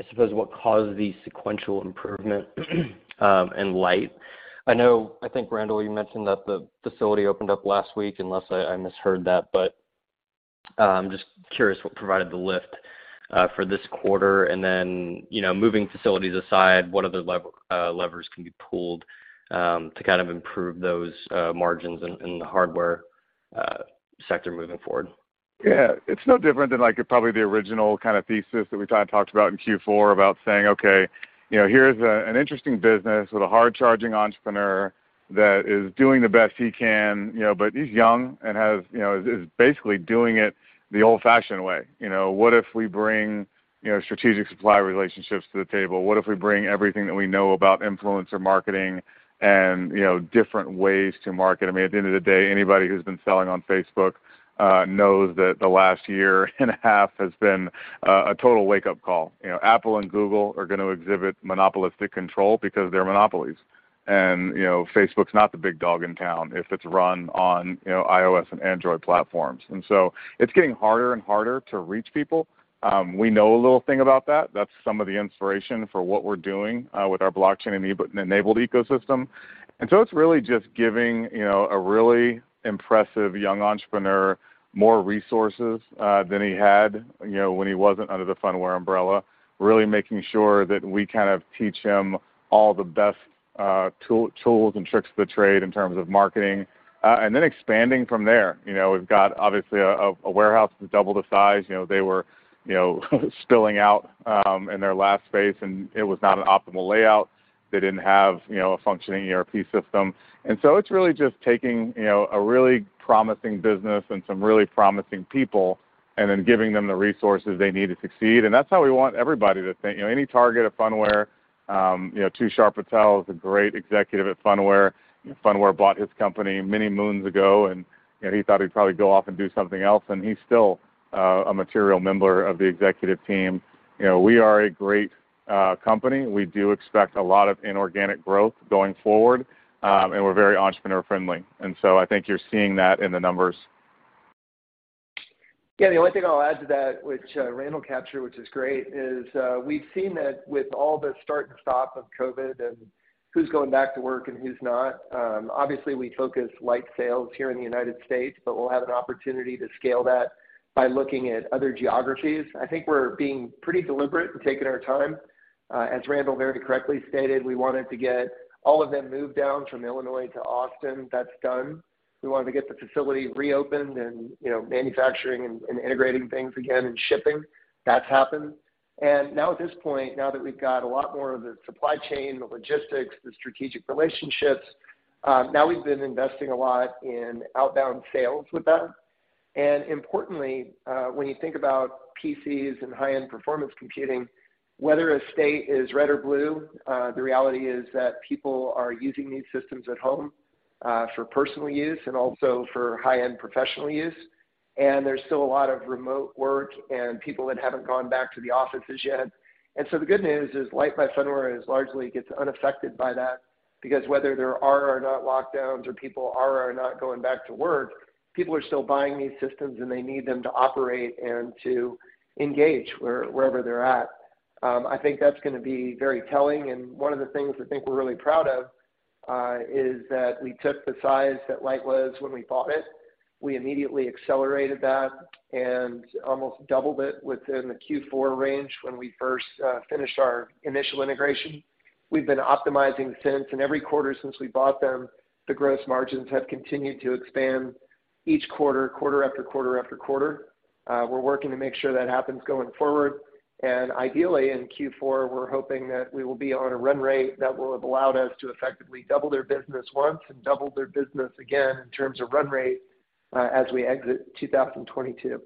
I suppose what caused the sequential improvement in Lyte. I know. I think, Randall, you mentioned that the facility opened up last week, unless I misheard that. Just curious what provided the lift for this quarter. Then, you know, moving facilities aside, what other levers can be pulled to kind of improve those margins in the hardware sector moving forward? Yeah. It's no different than like probably the original kind of thesis that we kind of talked about in Q4 about saying, "Okay, you know, here's an interesting business with a hard-charging entrepreneur that is doing the best he can, you know, but he's young and has. You know, is basically doing it the old-fashioned way. You know, what if we bring, you know, strategic supply relationships to the table? What if we bring everything that we know about influencer marketing and, you know, different ways to market?" I mean, at the end of the day, anybody who's been selling on Facebook knows that the last year and a half has been a total wake-up call. You know, Apple and Google are gonna exhibit monopolistic control because they're monopolies. You know, Facebook's not the big dog in town if it's run on, you know, iOS and Android platforms. It's getting harder and harder to reach people. We know a little thing about that. That's some of the inspiration for what we're doing with our blockchain-enabled ecosystem. It's really just giving, you know, a really impressive young entrepreneur more resources than he had, you know, when he wasn't under the Phunware umbrella, really making sure that we kind of teach him all the best tools and tricks to the trade in terms of marketing and then expanding from there. You know, we've got obviously a warehouse that's double the size. You know, they were spilling out in their last space, and it was not an optimal layout. They didn't have, you know, a functioning ERP system. It's really just taking, you know, a really promising business and some really promising people, and then giving them the resources they need to succeed, and that's how we want everybody to think. You know, any target at Phunware, you know, Tushar Patel is a great executive at Phunware. You know, Phunware bought his company many moons ago, and, you know, he thought he'd probably go off and do something else, and he's still a material member of the executive team. You know, we are a great company. We do expect a lot of inorganic growth going forward, and we're very entrepreneur-friendly. I think you're seeing that in the numbers. Yeah. The only thing I'll add to that, which Randall captured, which is great, is we've seen that with all the start and stop of COVID and who's going back to work and who's not, obviously we took a hit on Lyte sales here in the United States, but we'll have an opportunity to scale that by looking at other geographies. I think we're being pretty deliberate and taking our time. As Randall very correctly stated, we wanted to get all of them moved down from Illinois to Austin. That's done. We wanted to get the facility reopened and, you know, manufacturing and integrating things again and shipping. That's happened. Now at this point, now that we've got a lot more of the supply chain, the logistics, the strategic relationships, now we've been investing a lot in outbound sales with them. Importantly, when you think about PCs and high-end performance computing, whether a state is red or blue, the reality is that people are using these systems at home, for personal use and also for high-end professional use. There's still a lot of remote work and people that haven't gone back to the offices yet. The good news is Lyte by Phunware is largely gets unaffected by that because whether there are or are not lockdowns or people are or are not going back to work, people are still buying these systems, and they need them to operate and to engage wherever they're at. I think that's gonna be very telling, and one of the things I think we're really proud of is that we took the size that Lyte was when we bought it. We immediately accelerated that and almost doubled it within the Q4 range when we first finished our initial integration. We've been optimizing since, and every quarter since we bought them, the gross margins have continued to expand each quarter after quarter after quarter. We're working to make sure that happens going forward. Ideally, in Q4, we're hoping that we will be on a run rate that will have allowed us to effectively double their business once and double their business again in terms of run rate, as we exit 2022.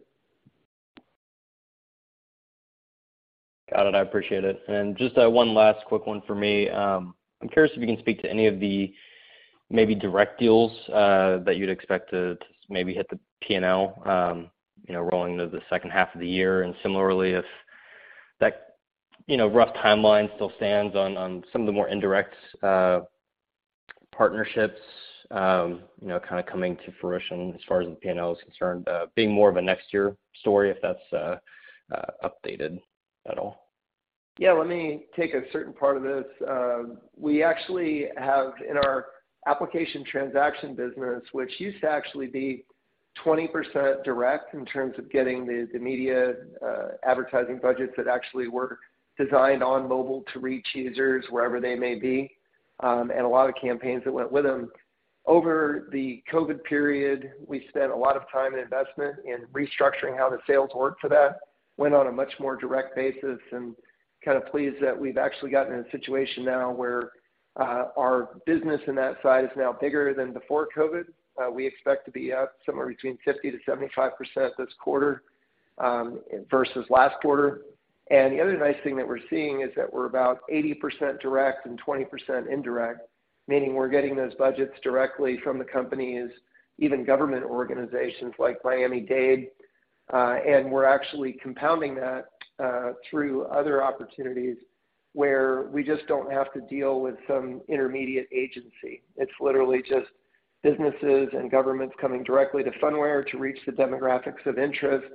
Got it. I appreciate it. Just one last quick one for me. I'm curious if you can speak to any of the maybe direct deals that you'd expect to maybe hit the P&L, you know, rolling into the second half of the year. Similarly, if that, you know, rough timeline still stands on some of the more indirect partnerships, you know, kind of coming to fruition as far as the P&L is concerned, being more of a next year story if that's updated at all. Yeah. Let me take a certain part of this. We actually have in our application transaction business, which used to actually be 20% direct in terms of getting the media advertising budgets that actually were designed on mobile to reach users wherever they may be, and a lot of campaigns that went with them. Over the COVID period, we spent a lot of time and investment in restructuring how the sales worked for that, went on a much more direct basis and kind of pleased that we've actually gotten in a situation now where our business in that side is now bigger than before COVID. We expect to be up somewhere between 50%-75% this quarter versus last quarter. The other nice thing that we're seeing is that we're about 80% direct and 20% indirect, meaning we're getting those budgets directly from the companies, even government organizations like Miami-Dade. We're actually compounding that through other opportunities where we just don't have to deal with some intermediate agency. It's literally just businesses and governments coming directly to Phunware to reach the demographics of interest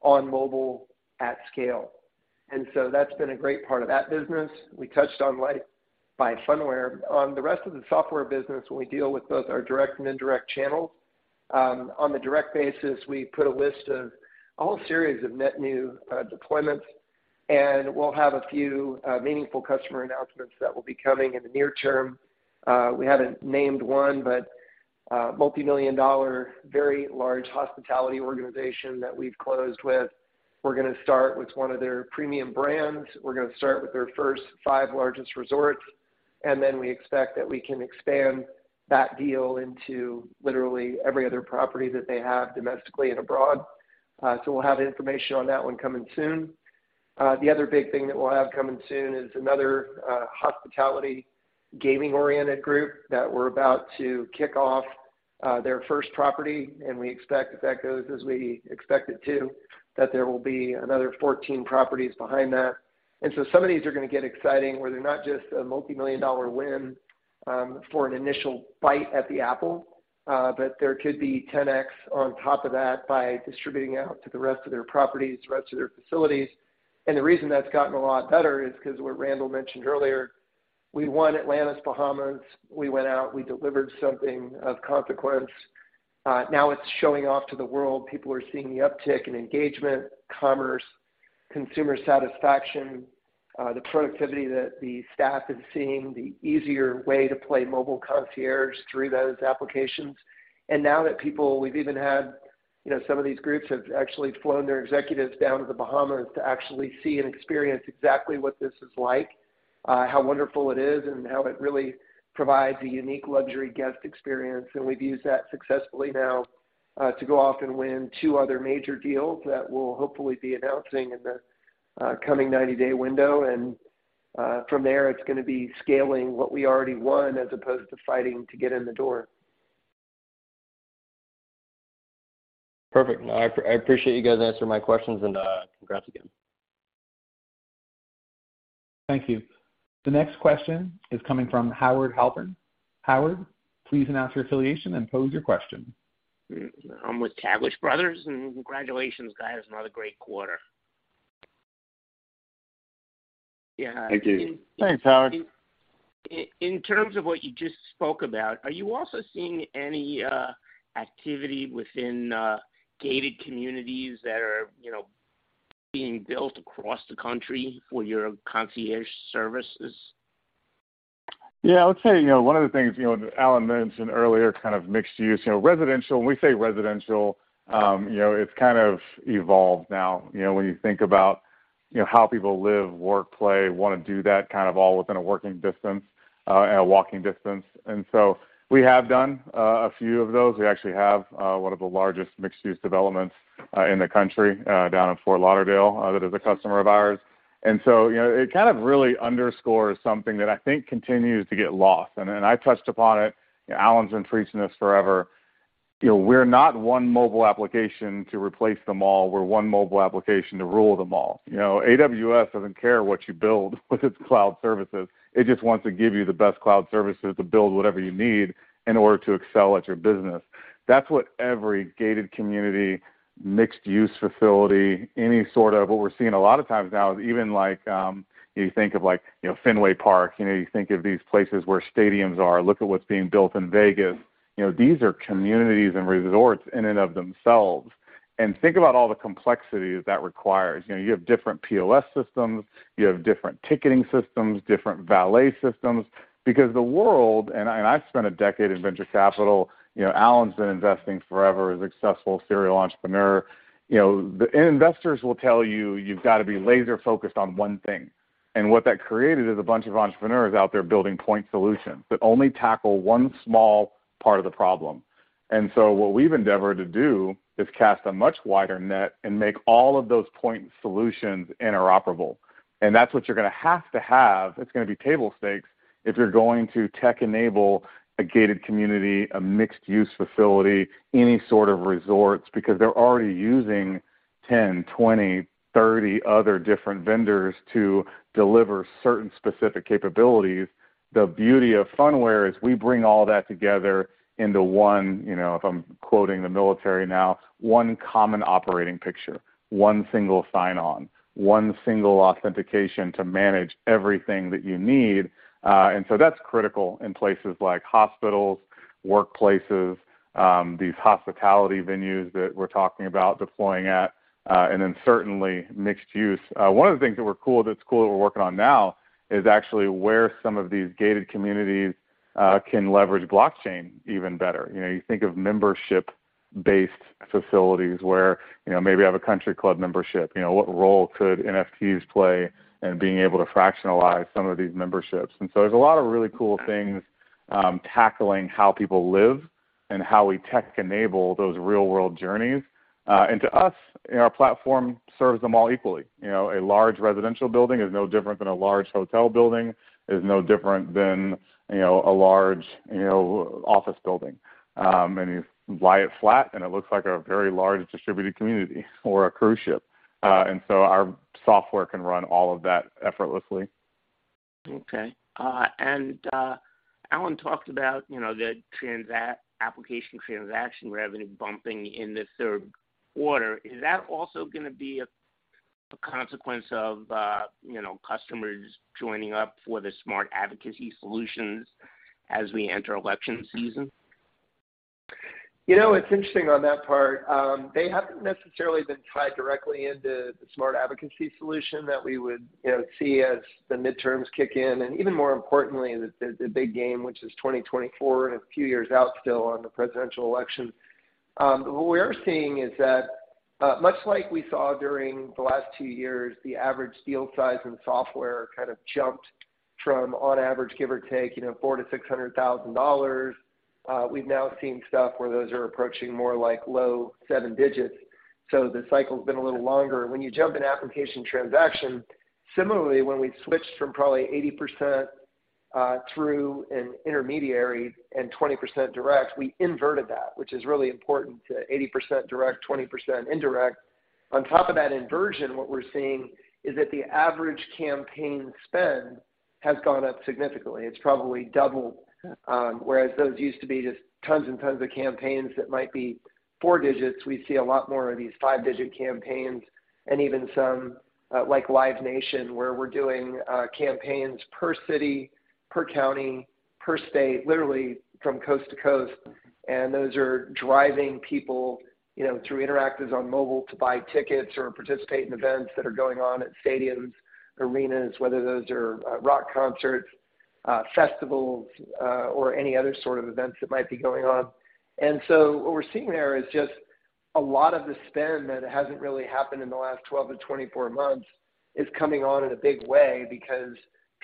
on mobile at scale. That's been a great part of that business. We touched on Lyte by Phunware. On the rest of the software business, when we deal with both our direct and indirect channels, on the direct basis, we put a list of a whole series of net new deployments, and we'll have a few meaningful customer announcements that will be coming in the near term. We hadn't named one, but a multimillion-dollar, very large hospitality organization that we've closed with. We're gonna start with one of their premium brands. We're gonna start with their first five largest resorts, and then we expect that we can expand that deal into literally every other property that they have domestically and abroad. We'll have information on that one coming soon. The other big thing that we'll have coming soon is another, hospitality gaming-oriented group that we're about to kick off, their first property, and we expect if that goes as we expect it to, that there will be another 14 properties behind that. Some of these are gonna get exciting where they're not just a multimillion-dollar win, for an initial bite at the apple, but there could be 10x on top of that by distributing out to the rest of their properties, the rest of their facilities. The reason that's gotten a lot better is 'cause what Randall mentioned earlier, we won Atlantis, Bahamas, we went out, we delivered something of consequence. Now it's showing off to the world. People are seeing the uptick in engagement, commerce, consumer satisfaction, the productivity that the staff is seeing, the easier way to play mobile concierge through those applications. Now that people, we've even had, you know, some of these groups have actually flown their executives down to the Bahamas to actually see and experience exactly what this is like, how wonderful it is, and how it really provides a unique luxury guest experience. We've used that successfully now to go off and win two other major deals that we'll hopefully be announcing in the coming 90-day window. From there, it's gonna be scaling what we already won as opposed to fighting to get in the door. Perfect. No, I appreciate you guys answering my questions and congrats again. Thank you. The next question is coming from Howard Halpern. Howard, please announce your affiliation and pose your question. I'm with Taglich Brothers and congratulations, guys. Another great quarter. Yeah. Thank you. Thanks, Howard. In terms of what you just spoke about, are you also seeing any activity within gated communities that are, you know, being built across the country for your concierge services? Yeah, I would say, you know, one of the things, you know, and Alan mentioned earlier kind of mixed use. You know, residential, when we say residential, you know, it's kind of evolved now. You know, when you think about, you know, how people live, work, play, wanna do that kind of all within a working distance, a walking distance. We have done a few of those. We actually have one of the largest mixed-use developments in the country down in Fort Lauderdale that is a customer of ours. You know, it kind of really underscores something that I think continues to get lost. I touched upon it. Alan's been preaching this forever. You know, we're not one mobile application to replace the mall. We're one mobile application to rule them all. You know, AWS doesn't care what you build with its cloud services. It just wants to give you the best cloud services to build whatever you need in order to excel at your business. That's what every gated community, mixed-use facility. What we're seeing a lot of times now is even like, you think of like, you know, Fenway Park. You know, you think of these places where stadiums are. Look at what's being built in Vegas. You know, these are communities and resorts in and of themselves. Think about all the complexities that requires. You know, you have different POS systems, you have different ticketing systems, different valet systems. Because the world, and I spent a decade in venture capital. You know, Alan's been investing forever as successful serial entrepreneur. You know, the investors will tell you you've got to be laser-focused on one thing. What that created is a bunch of entrepreneurs out there building point solutions that only tackle one small part of the problem. What we've endeavored to do is cast a much wider net and make all of those point solutions interoperable. That's what you're gonna have to have. It's gonna be table stakes if you're going to tech enable a gated community, a mixed-use facility, any sort of resorts, because they're already using 10, 20, 30 other different vendors to deliver certain specific capabilities. The beauty of Phunware is we bring all that together into one, you know, if I'm quoting the military now, one common operating picture, one single sign-on, one single authentication to manage everything that you need. That's critical in places like hospitals, workplaces, these hospitality venues that we're talking about deploying at, and then certainly mixed use. One of the things that's cool that we're working on now is actually where some of these gated communities can leverage blockchain even better. You know, you think of membership-based facilities where, you know, maybe you have a country club membership. You know, what role could NFTs play in being able to fractionalize some of these memberships? There's a lot of really cool things tackling how people live and how we tech enable those real-world journeys. To us, you know, our platform serves them all equally. You know, a large residential building is no different than a large hotel building, is no different than, you know, a large, you know, office building. You lie it flat, and it looks like a very large distributed community or a cruise ship. Our software can run all of that effortlessly. Okay. Alan talked about, you know, the application transaction revenue bumping in the third quarter. Is that also gonna be a consequence of, you know, customers joining up for the Smart Advocacy Solution as we enter election season? You know, it's interesting on that part. They haven't necessarily been tied directly into the Smart Advocacy Solution that we would, you know, see as the midterms kick in, and even more importantly, the big game, which is 2024 and a few years out still on the presidential election. What we are seeing is that, much like we saw during the last two years, the average deal size in software kind of jumped from on average, give or take, you know, $400,000-$600,000. We've now seen stuff where those are approaching more like low seven digits, so the cycle's been a little longer. When you jump in application transaction, similarly, when we switched from probably 80% through an intermediary and 20% direct, we inverted that, which is really important to 80% direct, 20% indirect. On top of that inversion, what we're seeing is that the average campaign spend has gone up significantly. It's probably doubled. Whereas those used to be just tons and tons of campaigns that might be four digits, we see a lot more of these five-digit campaigns and even some like Live Nation, where we're doing campaigns per city, per county, per state, literally from coast to coast. Those are driving people, you know, through interactives on mobile to buy tickets or participate in events that are going on at stadiums, arenas, whether those are rock concerts, festivals, or any other sort of events that might be going on. What we're seeing there is just a lot of the spend that hasn't really happened in the last 12-24 months is coming on in a big way because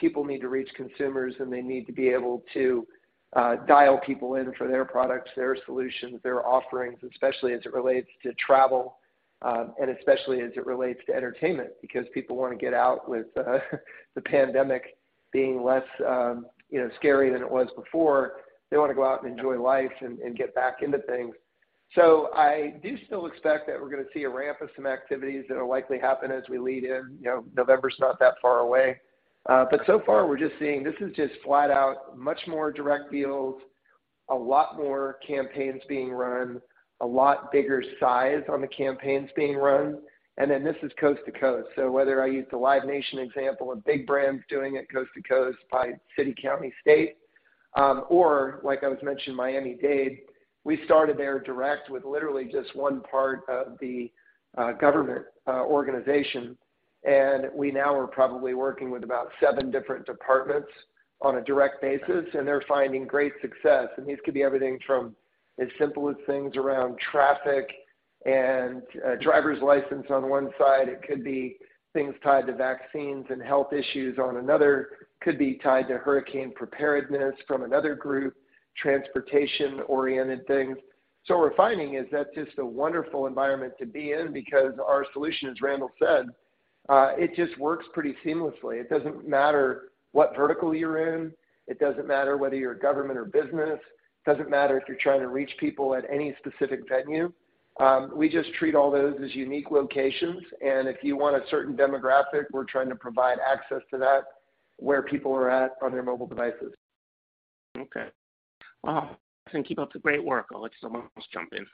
people need to reach consumers, and they need to be able to dial people in for their products, their solutions, their offerings, especially as it relates to travel, and especially as it relates to entertainment because people wanna get out with the pandemic being less, you know, scary than it was before. They wanna go out and enjoy life and get back into things. I do still expect that we're gonna see a ramp of some activities that'll likely happen as we lead in. You know, November's not that far away. So far we're just seeing this is just flat out much more direct deals, a lot more campaigns being run, a lot bigger size on the campaigns being run. Then this is coast to coast, so, whether I use the Live Nation example of big brands doing it coast to coast by city, county, state, or like I was mentioning Miami-Dade, we started there direct with literally just one part of the, government, organization. We now are probably working with about seven different departments on a direct basis, and they're finding great success. These could be everything from as simple as things around traffic and, driver's license on one side. It could be things tied to vaccines and health issues on another. Could be tied to hurricane preparedness from another group, transportation-oriented things. What we're finding is that's just a wonderful environment to be in because our solution, as Randall said, it just works pretty seamlessly. It doesn't matter what vertical you're in. It doesn't matter whether you're government or business. It doesn't matter if you're trying to reach people at any specific venue. We just treat all those as unique locations. If you want a certain demographic, we're trying to provide access to that where people are at on their mobile devices. Okay. Well, keep up the great work. I'll let someone else jump in.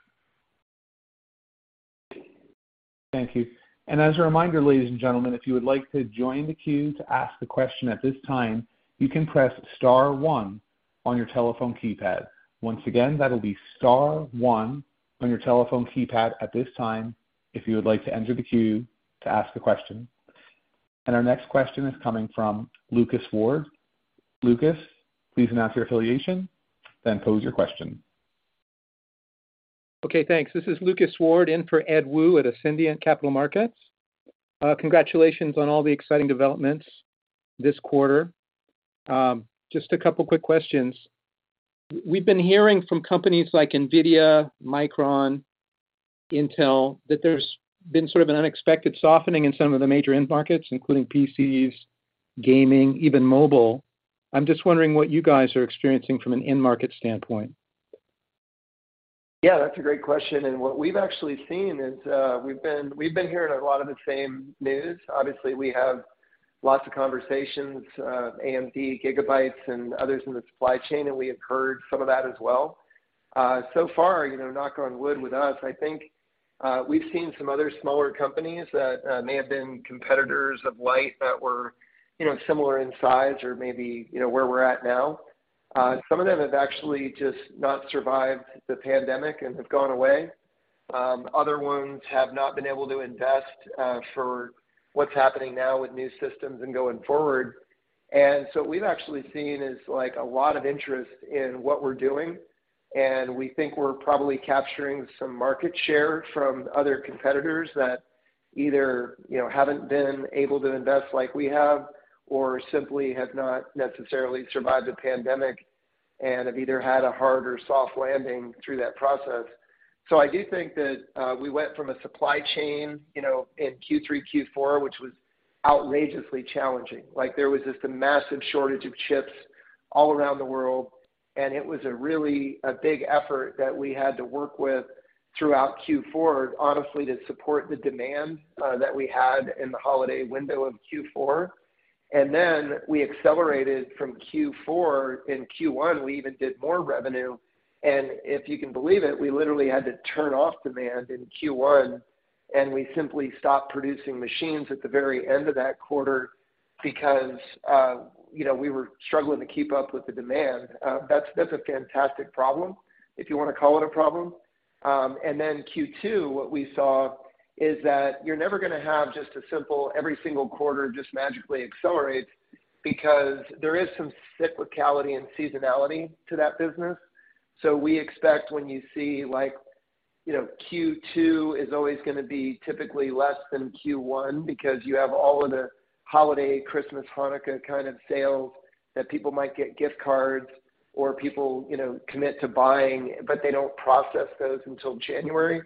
Thank you. As a reminder, ladies and gentlemen, if you would like to join the queue to ask a question at this time, you can press star one on your telephone keypad. Once again, that'll be star one on your telephone keypad at this time if you would like to enter the queue to ask a question. Our next question is coming from Lucas Ward. Lucas, please announce your affiliation, then pose your question. Okay, thanks. This is Lucas Ward in for Ed Woo at Ascendiant Capital Markets. Congratulations on all the exciting developments this quarter. Just a couple quick questions. We've been hearing from companies like NVIDIA, Micron, Intel, that there's been sort of an unexpected softening in some of the major end markets, including PCs, gaming, even mobile. I'm just wondering what you guys are experiencing from an end market standpoint. Yeah, that's a great question. What we've actually seen is, we've been hearing a lot of the same news. Obviously, we have lots of conversations, AMD, GIGABYTE, and others in the supply chain, and we have heard some of that as well. So far, you know, knock on wood with us, I think, we've seen some other smaller companies that may have been competitors of Lyte that were, you know, similar in size or maybe, you know, where we're at now. Some of them have actually just not survived the pandemic and have gone away. Other ones have not been able to invest for what's happening now with new systems and going forward. What we've actually seen is, like, a lot of interest in what we're doing, and we think we're probably capturing some market share from other competitors that either, you know, haven't been able to invest like we have or simply have not necessarily survived the pandemic and have either had a hard or soft landing through that process. I do think that we went from a supply chain, you know, in Q3, Q4, which was outrageously challenging. Like, there was just a massive shortage of chips all around the world, and it was a really big effort that we had to work with throughout Q4, honestly, to support the demand that we had in the holiday window of Q4. We accelerated from Q4. In Q1, we even did more revenue. If you can believe it, we literally had to turn off demand in Q1, and we simply stopped producing machines at the very end of that quarter because, you know, we were struggling to keep up with the demand. That's a fantastic problem, if you wanna call it a problem. Q2, what we saw is that you're never gonna have just a simple every single quarter just magically accelerates because there is some cyclicality and seasonality to that business. We expect when you see like, you know, Q2 is always gonna be typically less than Q1 because you have all of the holiday, Christmas, Hanukkah kind of sales that people might get gift cards or people, you know, commit to buying, but they don't process those until January.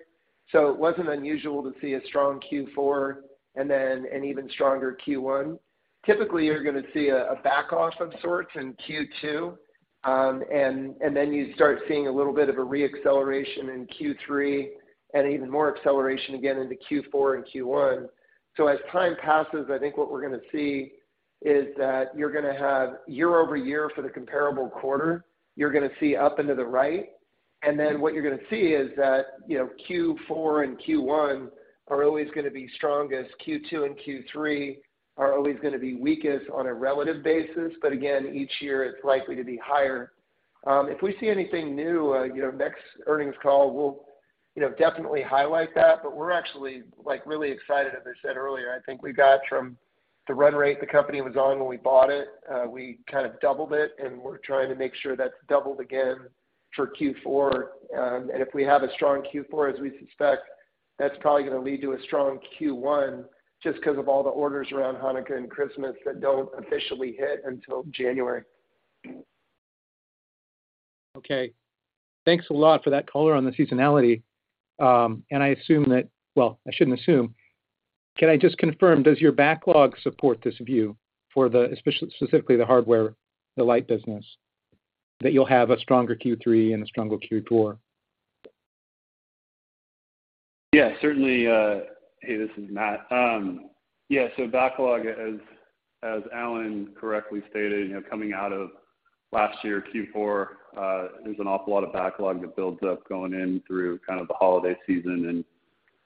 It wasn't unusual to see a strong Q4 and then an even stronger Q1. Typically, you're gonna see a back off of sorts in Q2, and then you start seeing a little bit of a re-acceleration in Q3 and even more acceleration again into Q4 and Q1. As time passes, I think what we're gonna see is that you're gonna have year-over-year for the comparable quarter, you're gonna see up into the right. And then what you're gonna see is that, you know, Q4 and Q1 are always gonna be strongest. Q2 and Q3 are always gonna be weakest on a relative basis, but again, each year it's likely to be higher. If we see anything new, you know, next earnings call, we'll, you know, definitely highlight that. But we're actually, like, really excited. As I said earlier, I think we got from the run rate the company was on when we bought it, we kind of doubled it, and we're trying to make sure that's doubled again for Q4. If we have a strong Q4, as we suspect, that's probably gonna lead to a strong Q1 just 'cause of all the orders around Hanukkah and Christmas that don't officially hit until January. Okay. Thanks a lot for that color on the seasonality. And I assume, well, I shouldn't assume. Can I just confirm, does your backlog support this view for the, especially, specifically the hardware, the Lyte business, that you'll have a stronger Q3 and a stronger Q4? Yeah, certainly. Hey, this is Matt. Yeah, so backlog as Alan correctly stated, you know, coming out of last year Q4, there's an awful lot of backlog that builds up going in through kind of the holiday season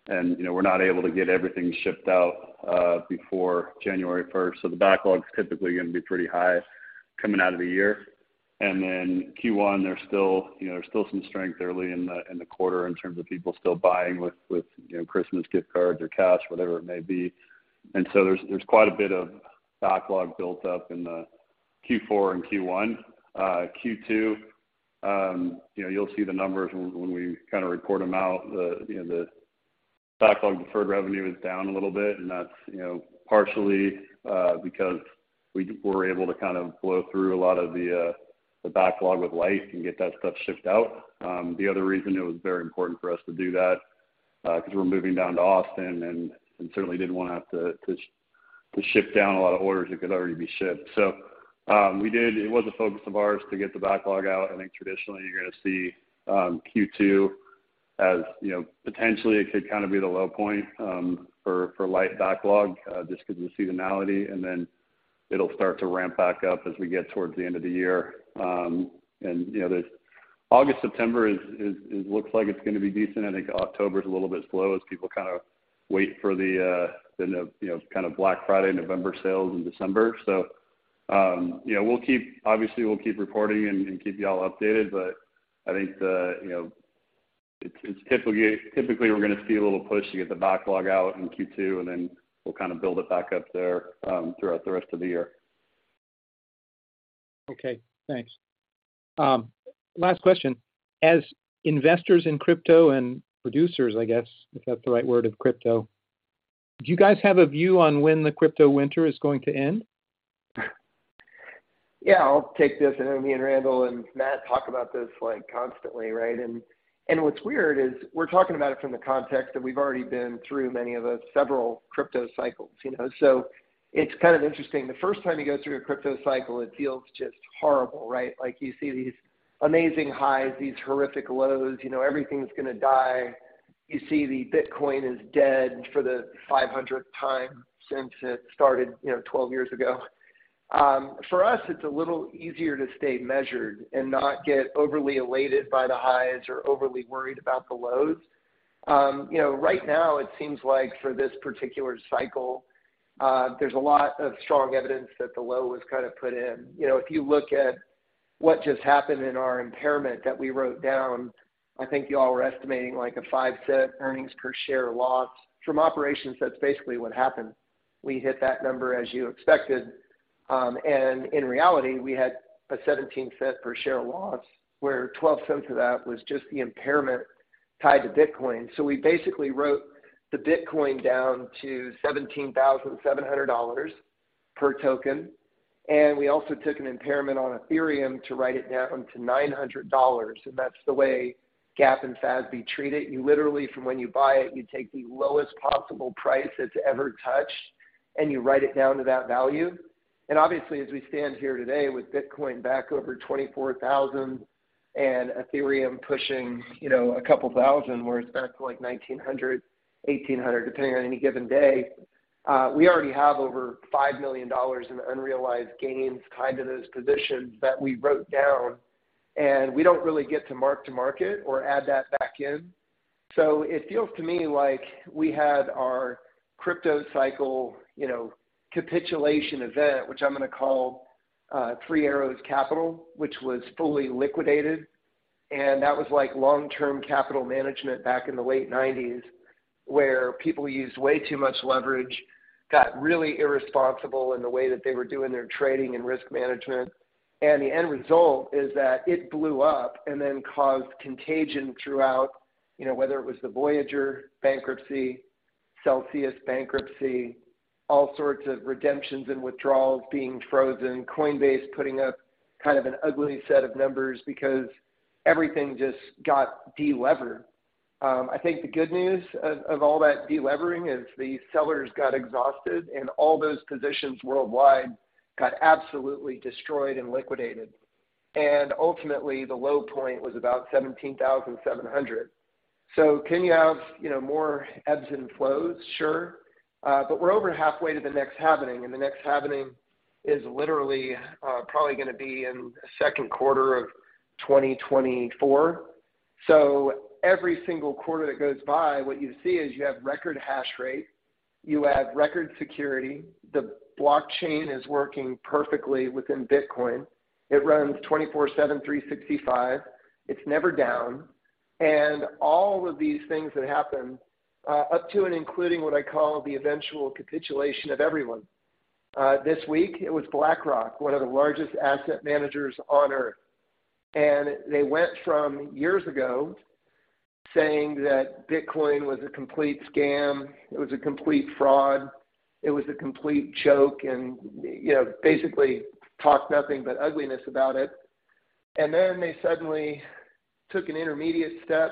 and, you know, we're not able to get everything shipped out before January 1st. The backlog's typically gonna be pretty high coming out of the year. Q1, there's still some strength early in the quarter in terms of people still buying with you know, Christmas gift cards or cash, whatever it may be. There's quite a bit of backlog built up in the Q4 and Q1. Q2, you know, you'll see the numbers when we kinda report them out. You know, the backlog deferred revenue is down a little bit, and that's, you know, partially because we were able to kind of blow through a lot of the backlog with Lyte and get that stuff shipped out. The other reason it was very important for us to do that, 'cause we're moving down to Austin and certainly didn't wanna have to ship down a lot of orders that could already be shipped. So, we did. It was a focus of ours to get the backlog out. I think traditionally you're gonna see Q2 as, you know, potentially it could kind of be the low point for Lyte backlog, just 'cause of the seasonality. Then it'll start to ramp back up as we get towards the end of the year. You know, August, September is – it looks like it's gonna be decent. I think October's a little bit slow as people kind of wait for, you know, kind of Black Friday, November sales and December. You know, we'll keep reporting and keep you all updated, but I think, you know, it's typically we're gonna see a little push to get the backlog out in Q2, and then we'll kind of build it back up there throughout the rest of the year. Okay, thanks. Last question. As investors in crypto and producers, I guess, if that's the right word, of crypto. Do you guys have a view on when the crypto winter is going to end? Yeah, I'll take this, and then me and Randall and Matt talk about this, like, constantly, right? And what's weird is we're talking about it from the context that we've already been through many of the several crypto cycles, you know. It's kind of interesting. The first time you go through a crypto cycle, it feels just horrible, right? Like, you see these amazing highs, these horrific lows, you know, everything's gonna die. You see the Bitcoin is dead for the 500th time since it started, you know, 12 years ago. For us, it's a little easier to stay measured and not get overly elated by the highs or overly worried about the lows. You know, right now it seems like for this particular cycle, there's a lot of strong evidence that the low was kinda put in. You know, if you look at what just happened in our impairment that we wrote down, I think y'all were estimating like a $0.05 earnings per share loss. From operations, that's basically what happened. We hit that number as you expected, and in reality, we had a $0.17 per share loss, where $0.12 of that was just the impairment tied to Bitcoin. So we basically wrote the Bitcoin down to $17,700 per token, and we also took an impairment on Ethereum to write it down to $900, and that's the way GAAP and FASB treat it. You literally, from when you buy it, you take the lowest possible price it's ever touched, and you write it down to that value. Obviously, as we stand here today with Bitcoin back over 24,000 and Ethereum pushing, you know, a couple thousand where it's back to like 1,900, 1,800, depending on any given day, we already have over $5 million in unrealized gains tied to those positions that we wrote down, and we don't really get to mark-to-market or add that back in. It feels to me like we had our crypto cycle, you know, capitulation event, which I'm gonna call Three Arrows Capital, which was fully liquidated. That was like Long-Term Capital Management back in the late 1990s, where people used way too much leverage, got really irresponsible in the way that they were doing their trading and risk management. The end result is that it blew up and then caused contagion throughout, you know, whether it was the Voyager bankruptcy, Celsius bankruptcy, all sorts of redemptions and withdrawals being frozen, Coinbase putting up kind of an ugly set of numbers because everything just got de-levered. I think the good news of all that de-levering is the sellers got exhausted and all those positions worldwide got absolutely destroyed and liquidated. Ultimately, the low point was about 17,700. Can you have, you know, more ebbs and flows? Sure. But we're over halfway to the next happening, and the next happening is literally probably gonna be in the second quarter of 2024. Every single quarter that goes by, what you see is you have record hash rate, you have record security. The blockchain is working perfectly within Bitcoin. It runs 24/7, 365. It's never down. All of these things that happened, up to and including what I call the eventual capitulation of everyone. This week it was BlackRock, one of the largest asset managers on Earth. They went from years ago saying that Bitcoin was a complete scam, it was a complete fraud, it was a complete joke, and, you know, basically talked nothing but ugliness about it. Then they suddenly took an intermediate step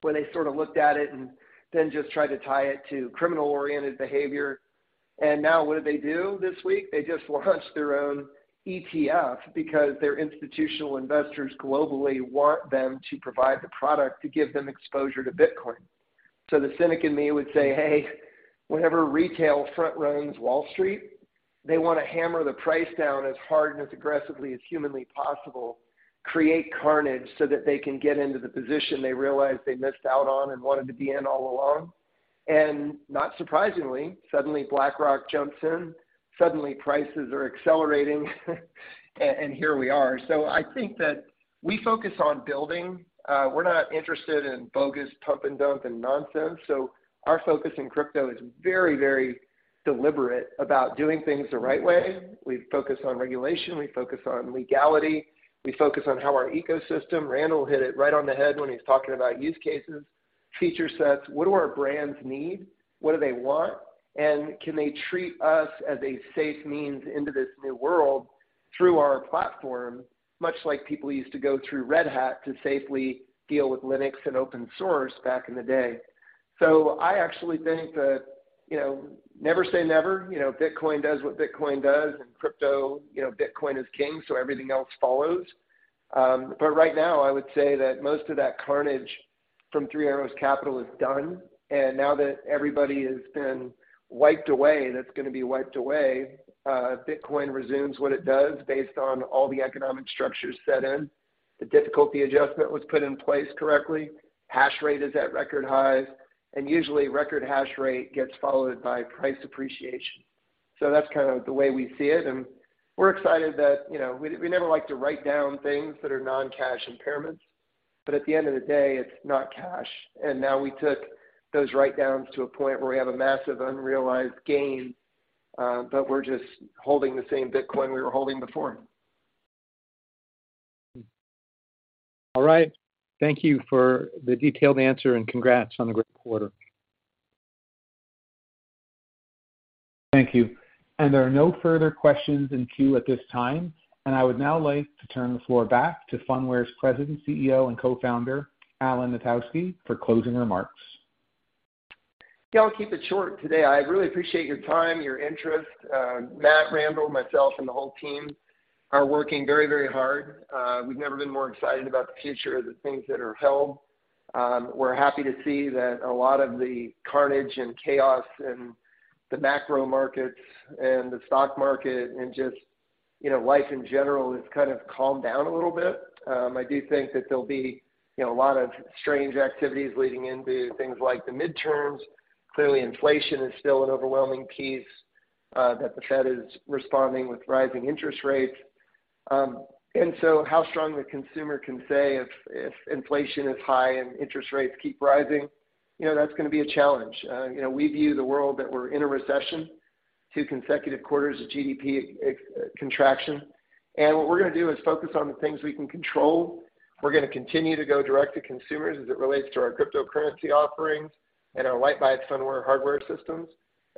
where they sort of looked at it and then just tried to tie it to criminal-oriented behavior. Now what did they do this week? They just launched their own ETF because their institutional investors globally want them to provide the product to give them exposure to Bitcoin. The cynic in me would say, "Hey, whenever retail front runs Wall Street, they wanna hammer the price down as hard and as aggressively as humanly possible, create carnage so that they can get into the position they realize they missed out on and wanted to be in all along." Not surprisingly, suddenly BlackRock jumps in, suddenly prices are accelerating and here we are. I think that we focus on building. We're not interested in bogus pump and dump and nonsense. Our focus in crypto is very, very deliberate about doing things the right way. We focus on regulation, we focus on legality, we focus on how our ecosystem, Randall hit it right on the head when he was talking about use cases, feature sets. What do our brands need? What do they want? Can they treat us as a safe means into this new world through our platform, much like people used to go through Red Hat to safely deal with Linux and open source back in the day. I actually think that, you know, never say never. You know, Bitcoin does what Bitcoin does, and crypto, you know, Bitcoin is king, so everything else follows. Right now I would say that most of that carnage from Three Arrows Capital is done. Now that everybody has been wiped away, that's gonna be wiped away, Bitcoin resumes what it does based on all the economic structures set in. The difficulty adjustment was put in place correctly. Hash rate is at record highs, and usually record hash rate gets followed by price appreciation. That's kind of the way we see it, and we're excited that, you know, we never like to write down things that are non-cash impairments, but at the end of the day, it's not cash. Now we took those write downs to a point where we have a massive unrealized gain, but we're just holding the same Bitcoin we were holding before. All right. Thank you for the detailed answer, and congrats on a great quarter. Thank you. There are no further questions in queue at this time. I would now like to turn the floor back to Phunware's President, CEO, and Co-Founder, Alan Knitowski, for closing remarks. Yeah, I'll keep it short today. I really appreciate your time, your interest. Matt, Randall, myself, and the whole team are working very, very hard. We've never been more excited about the future of the things that are held. We're happy to see that a lot of the carnage and chaos in the macro markets and the stock market and just, you know, life in general has kind of calmed down a little bit. I do think that there'll be, you know, a lot of strange activities leading into things like the midterms. Clearly, inflation is still an overwhelming piece that the Fed is responding with rising interest rates. How strong the consumer can stay if inflation is high and interest rates keep rising, you know, that's gonna be a challenge. You know, we view the world that we're in a recession, two consecutive quarters of GDP contraction. What we're gonna do is focus on the things we can control. We're gonna continue to go direct to consumers as it relates to our cryptocurrency offerings and our Lyte Phunware hardware systems.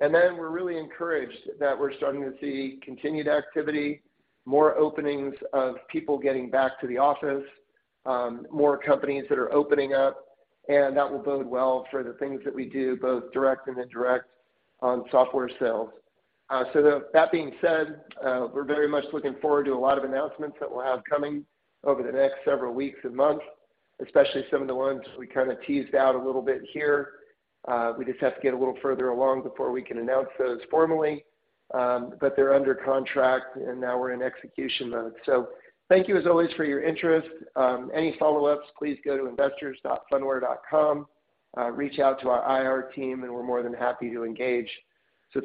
Then we're really encouraged that we're starting to see continued activity, more openings of people getting back to the office, more companies that are opening up, and that will bode well for the things that we do, both direct and indirect on software sales. That being said, we're very much looking forward to a lot of announcements that we'll have coming over the next several weeks and months, especially some of the ones we kinda teased out a little bit here. We just have to get a little further along before we can announce those formally. They're under contract, and now we're in execution mode. Thank you as always for your interest. Any follow-ups, please go to investors.phunware.com. Reach out to our IR team, and we're more than happy to engage.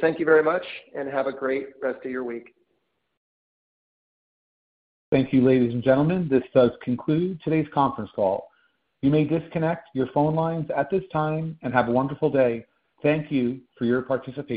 Thank you very much, and have a great rest of your week. Thank you, ladies and gentlemen. This does conclude today's conference call. You may disconnect your phone lines at this time, and have a wonderful day. Thank you for your participation.